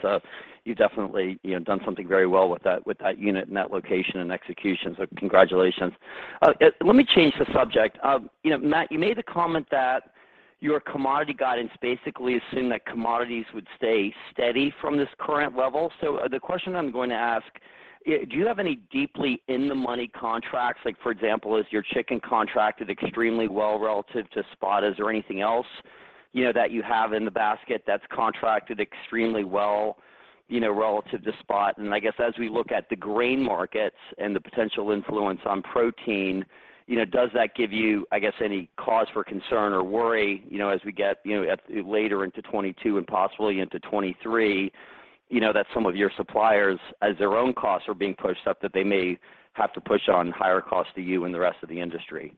you've definitely, you know, done something very well with that, with that unit and that location and execution. Congratulations. Let me change the subject. You know, Matt, you made the comment that your commodity guidance basically assumed that commodities would stay steady from this current level. The question I'm going to ask, do you have any deeply in-the-money contracts? Like, for example, is your chicken contracted extremely well relative to spot? Is there anything else, you know, that you have in the basket that's contracted extremely well, you know, relative to spot? I guess as we look at the grain markets and the potential influence on protein, you know, does that give you, I guess, any cause for concern or worry, you know, as we get, you know, a little later into 2022 and possibly into 2023, you know, that some of your suppliers, as their own costs are being pushed up, that they may have to pass on higher costs to you and the rest of the industry?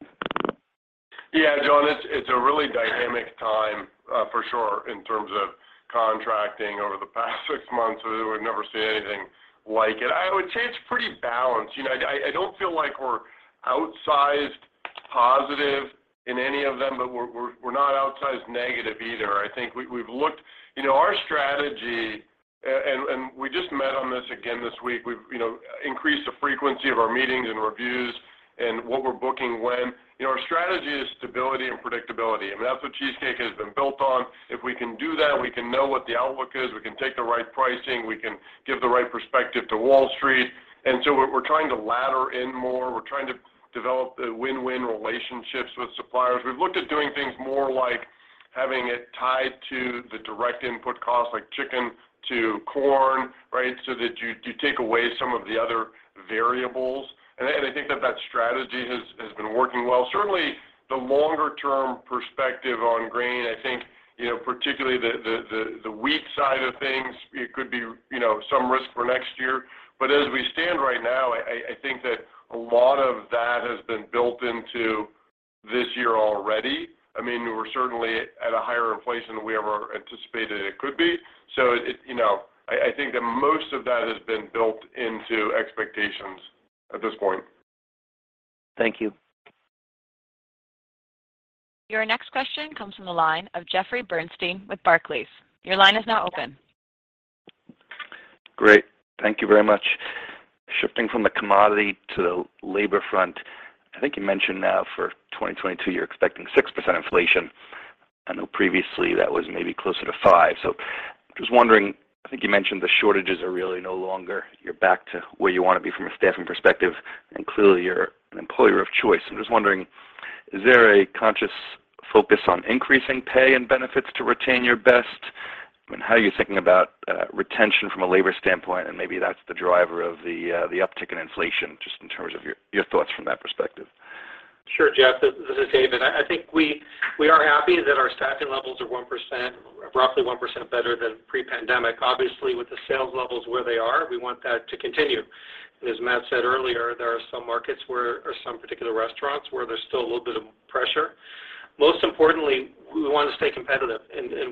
Yeah, John, it's a really dynamic time, for sure, in terms of contracting over the past six months. We've never seen anything like it. I would say it's pretty balanced. You know, I don't feel like we're outsized positive in any of them, but we're not outsized negative either. I think we've looked. You know, our strategy, and we just met on this again this week. We've, you know, increased the frequency of our meetings and reviews and what we're booking when. You know, our strategy is stability and predictability, and that's what Cheesecake has been built on. If we can do that, we can know what the outlook is, we can take the right pricing, we can give the right perspective to Wall Street. We're trying to ladder in more. We're trying to develop win-win relationships with suppliers. We've looked at doing things more like having it tied to the direct input costs, like chicken to corn, right? So that you take away some of the other variables. I think that strategy has been working well. Certainly, the longer term perspective on grain, I think, you know, particularly the wheat side of things, it could be, you know, some risk for next year. As we stand right now, I think that a lot of that has been built into this year already. I mean, we're certainly at a higher inflation than we ever anticipated it could be. It, you know, I think that most of that has been built into expectations at this point. Thank you. Your next question comes from the line of Jeffrey Bernstein with Barclays. Your line is now open. Great. Thank you very much. Shifting from the commodity to the labor front, I think you mentioned now for 2022, you're expecting 6% inflation. I know previously that was maybe closer to 5%. Just wondering, I think you mentioned the shortages are really no longer. You're back to where you wanna be from a staffing perspective, and clearly you're an employer of choice. I'm just wondering, is there a conscious focus on increasing pay and benefits to retain your best? I mean, how are you thinking about retention from a labor standpoint, and maybe that's the driver of the uptick in inflation, just in terms of your thoughts from that perspective. Sure, Jeff. This is David. I think we are happy that our staffing levels are 1%, roughly 1% better than pre-pandemic. Obviously, with the sales levels where they are, we want that to continue. As Matt said earlier, there are some markets where or some particular restaurants where there's still a little bit of pressure. Most importantly, we want to stay competitive.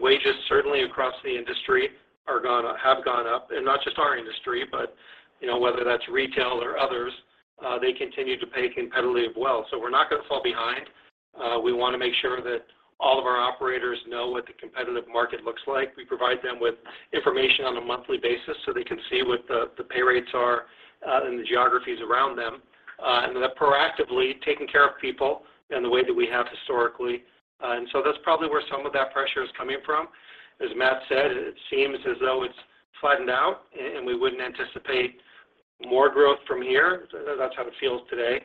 Wages certainly across the industry are gonna have gone up. Not just our industry, but you know, whether that's retail or others, they continue to pay competitively well. We're not gonna fall behind. We wanna make sure that all of our operators know what the competitive market looks like. We provide them with information on a monthly basis, so they can see what the pay rates are in the geographies around them, and then proactively taking care of people in the way that we have historically. That's probably where some of that pressure is coming from. As Matt said, it seems as though it's flattened out and we wouldn't anticipate more growth from here. That's how it feels today.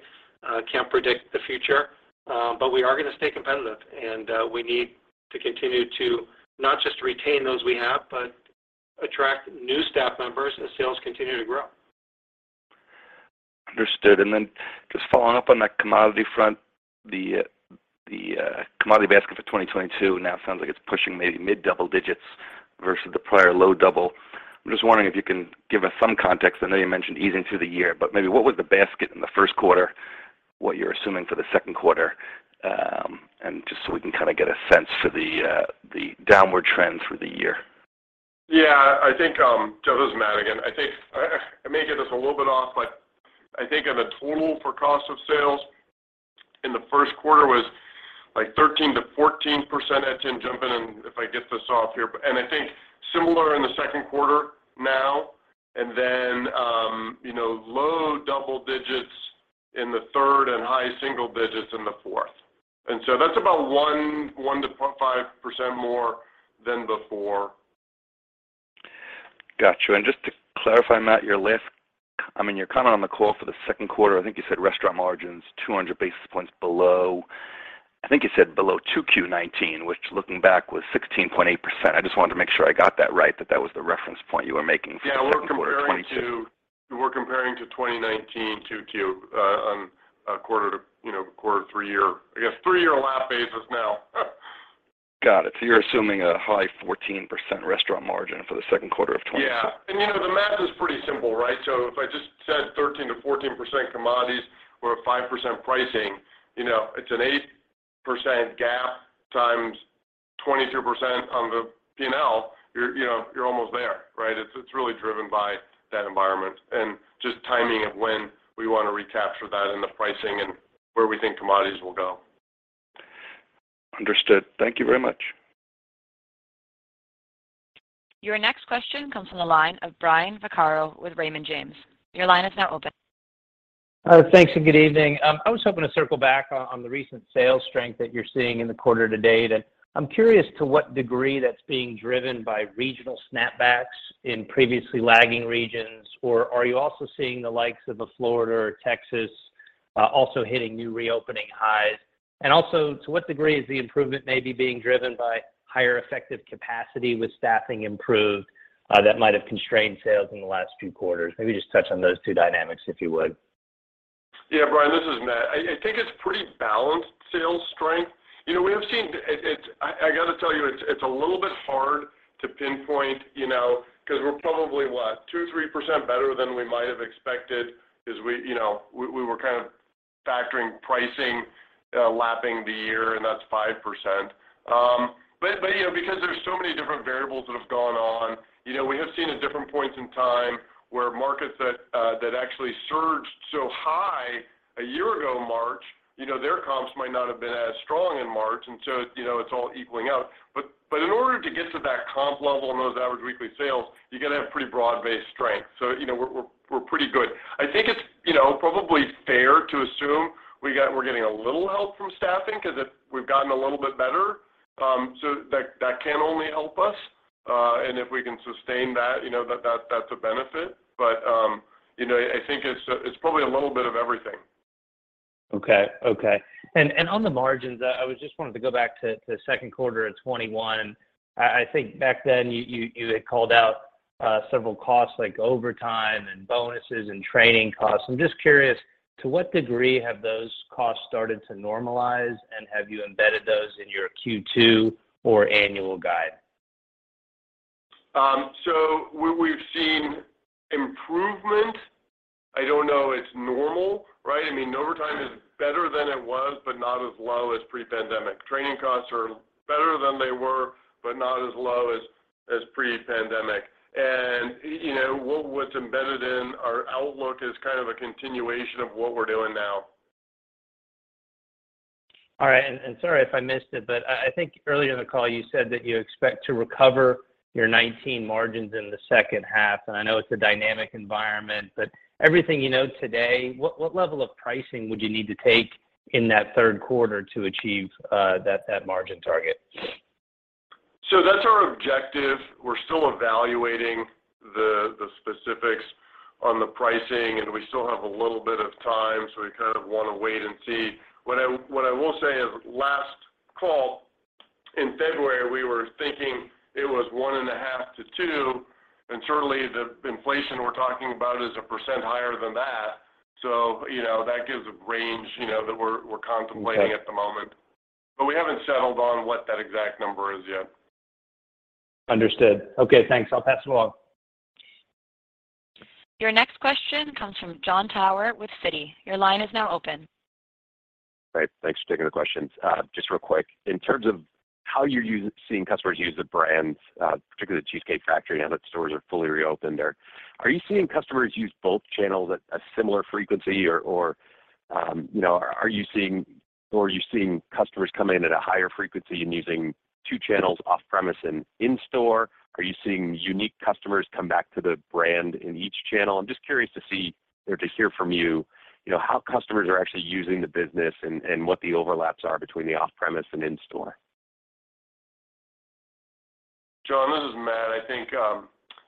Can't predict the future, but we are gonna stay competitive, and we need to continue to not just retain those we have, but attract new staff members as sales continue to grow. Understood. Just following up on that commodity front, the commodity basket for 2022 now sounds like it's pushing maybe mid-double digits versus the prior low double. I'm just wondering if you can give us some context. I know you mentioned easing through the year, maybe what was the basket in the first quarter, what you're assuming for the second quarter, and just so we can kinda get a sense for the downward trend through the year. Yeah. I think, Jeff, this is Matt again. I think I may get this a little bit off, but I think the total for cost of sales in the first quarter was like 13%-14%. Ed, can jump in if I get this off here. I think similar in the second quarter now, and then you know, low double digits in the third and high single digits in the fourth. That's about 1%-1.5% more than before. Got you. Just to clarify, Matt, your last, I mean, you're kind of on the call for the second quarter. I think you said restaurant margins, 200 basis points below 2Q 2019, which looking back was 16.8%. I just wanted to make sure I got that right, that that was the reference point you were making for the second quarter of 2022. We're comparing to 2019 2Q on a quarter-to-quarter, you know, three-year. I guess three-year lap basis now. Got it. You're assuming a high 14% restaurant margin for the second quarter of 2022. Yeah. You know, the math is pretty simple, right? If I just said 13%-14% commodities or a 5% pricing, you know, it's an 8% gap times 22% on the P&L. You're, you know, almost there, right? It's really driven by that environment and just timing of when we wanna recapture that in the pricing and where we think commodities will go. Understood. Thank you very much. Your next question comes from the line of Brian Vaccaro with Raymond James. Your line is now open. Thanks and good evening. I was hoping to circle back on the recent sales strength that you're seeing in the quarter to date. I'm curious to what degree that's being driven by regional snapbacks in previously lagging regions, or are you also seeing the likes of a Florida or Texas also hitting new reopening highs? To what degree is the improvement maybe being driven by higher effective capacity with staffing improved that might have constrained sales in the last few quarters? Maybe just touch on those two dynamics, if you would. Yeah, Brian, this is Matt. I think it's pretty balanced sales strength. You know, we have seen I gotta tell you, it's a little bit hard to pinpoint, you know, 'cause we're probably, what, 2% or 3% better than we might have expected because we, you know, we were kind of factoring pricing, lapping the year, and that's 5%. But you know, because there's so many different variables that have gone on, you know, we have seen at different points in time where markets that actually surged so high a year ago, March, you know, their comps might not have been as strong in March, and so, you know, it's all equaling out. But in order to get to that comp level on those average weekly sales, you gotta have pretty broad-based strength. You know, we're pretty good. I think it's you know probably fair to assume we're getting a little help from staffing 'cause we've gotten a little bit better. That that's a benefit. You know, I think it's probably a little bit of everything. Okay. On the margins, I was just wanting to go back to second quarter of 2021. I think back then you had called out several costs like overtime and bonuses and training costs. I'm just curious, to what degree have those costs started to normalize, and have you embedded those in your Q2 or annual guide? So we've seen improvement. I don't know, it's normal, right? I mean, overtime is better than it was, but not as low as pre-pandemic. Training costs are better than they were, but not as low as pre-pandemic. You know, what's embedded in our outlook is kind of a continuation of what we're doing now. All right. Sorry if I missed it, but I think earlier in the call you said that you expect to recover your 2019 margins in the second half, and I know it's a dynamic environment, but everything you know today, what level of pricing would you need to take in that third quarter to achieve that margin target? That's our objective. We're still evaluating the specifics on the pricing, and we still have a little bit of time, so we kind of wanna wait and see. What I will say is last call in February, we were thinking it was 1.5%-2%, and certainly the inflation we're talking about is 1% higher than that. You know, that gives a range, you know, that we're contemplating- Okay. at the moment. We haven't settled on what that exact number is yet. Understood. Okay, thanks. I'll pass it along. Your next question comes from Jon Tower with Citi. Your line is now open. Great. Thanks for taking the questions. Just real quick. In terms of how you're seeing customers use the brands, particularly Cheesecake Factory, now that stores are fully reopened there, are you seeing customers use both channels at a similar frequency or, you know, are you seeing customers come in at a higher frequency and using two channels off-premise and in-store? Are you seeing unique customers come back to the brand in each channel? I'm just curious to see or to hear from you know, how customers are actually using the business and what the overlaps are between the off-premise and in-store. John, this is Matt. I think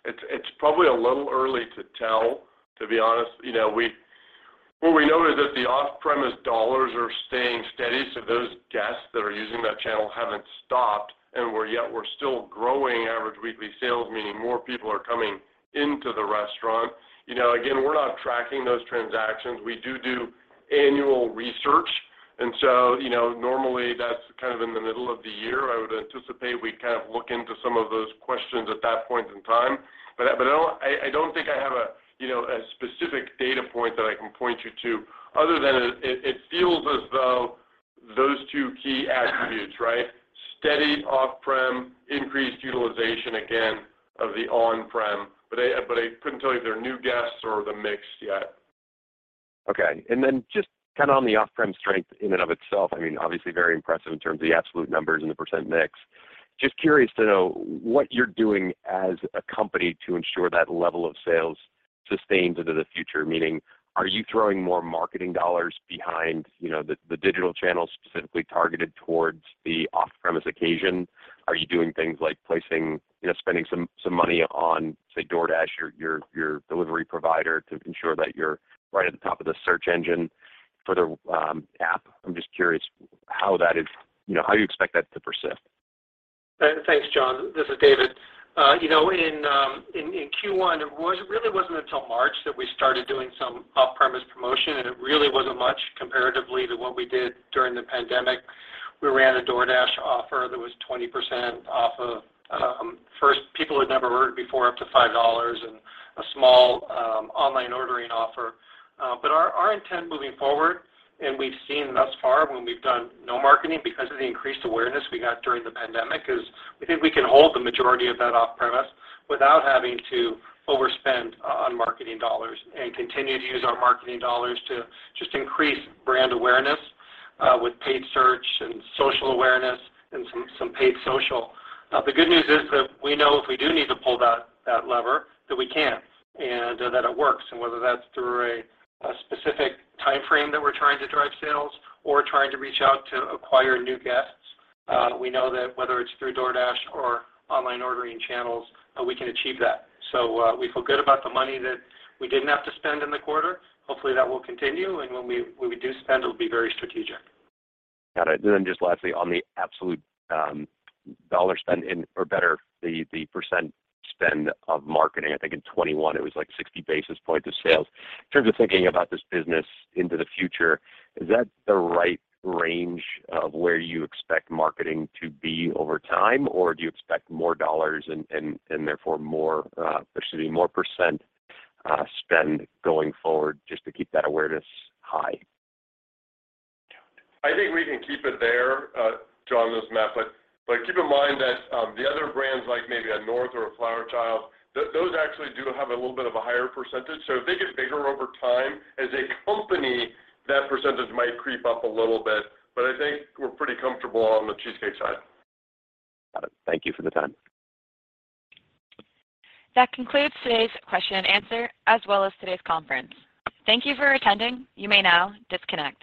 it's probably a little early to tell, to be honest. You know, what we know is that the off-premise dollars are staying steady, so those guests that are using that channel haven't stopped, and yet we're still growing average weekly sales, meaning more people are coming into the restaurant. You know, again, we're not tracking those transactions. We do annual research and so, you know, normally that's kind of in the middle of the year I would anticipate we kind of look into some of those questions at that point in time. I don't think I have a, you know, a specific data point that I can point you to other than it feels as though those two key attributes, right? Steady off-prem, increased utilization again of the on-prem, but I couldn't tell you if they're new guests or the mix yet. Okay. Then just kind of on the off-prem strength in and of itself, I mean, obviously very impressive in terms of the absolute numbers and the percent mix. Just curious to know what you're doing as a company to ensure that level of sales sustains into the future. Meaning, are you throwing more marketing dollars behind, you know, the digital channels specifically targeted towards the off-premise occasion? Are you doing things like placing, you know, spending some money on, say, DoorDash, your delivery provider to ensure that you're right at the top of the search engine for the app? I'm just curious how that is, you know, how you expect that to persist. Thanks, John. This is David. You know, in Q1, it really wasn't until March that we started doing some off-premise promotion, and it really wasn't much comparatively to what we did during the pandemic. We ran a DoorDash offer that was 20% off of first people who had never ordered before, up to $5 and a small online ordering offer. Our intent moving forward, and we've seen thus far when we've done no marketing because of the increased awareness we got during the pandemic, is we think we can hold the majority of that off-premise without having to overspend on marketing dollars and continue to use our marketing dollars to just increase brand awareness, with paid search and social awareness and some paid social. The good news is that we know if we do need to pull that lever that we can and that it works, and whether that's through a specific timeframe that we're trying to drive sales or trying to reach out to acquire new guests. We know that whether it's through DoorDash or online ordering channels, we can achieve that. We feel good about the money that we didn't have to spend in the quarter. Hopefully, that will continue, and when we do spend, it'll be very strategic. Got it. Then just lastly, on the absolute dollar spend or better the percent spend of marketing, I think in 2021 it was like 60 basis points of sales. In terms of thinking about this business into the future, is that the right range of where you expect marketing to be over time, or do you expect more dollars and therefore more percent spend going forward just to keep that awareness high? I think we can keep it there, John, this is Matt. Keep in mind that the other brands like maybe North Italia or Flower Child, those actually do have a little bit of a higher percentage. If they get bigger over time, as a company, that percentage might creep up a little bit. I think we're pretty comfortable on the Cheesecake side. Got it. Thank you for the time. That concludes today's question and answer as well as today's conference. Thank you for attending. You may now disconnect.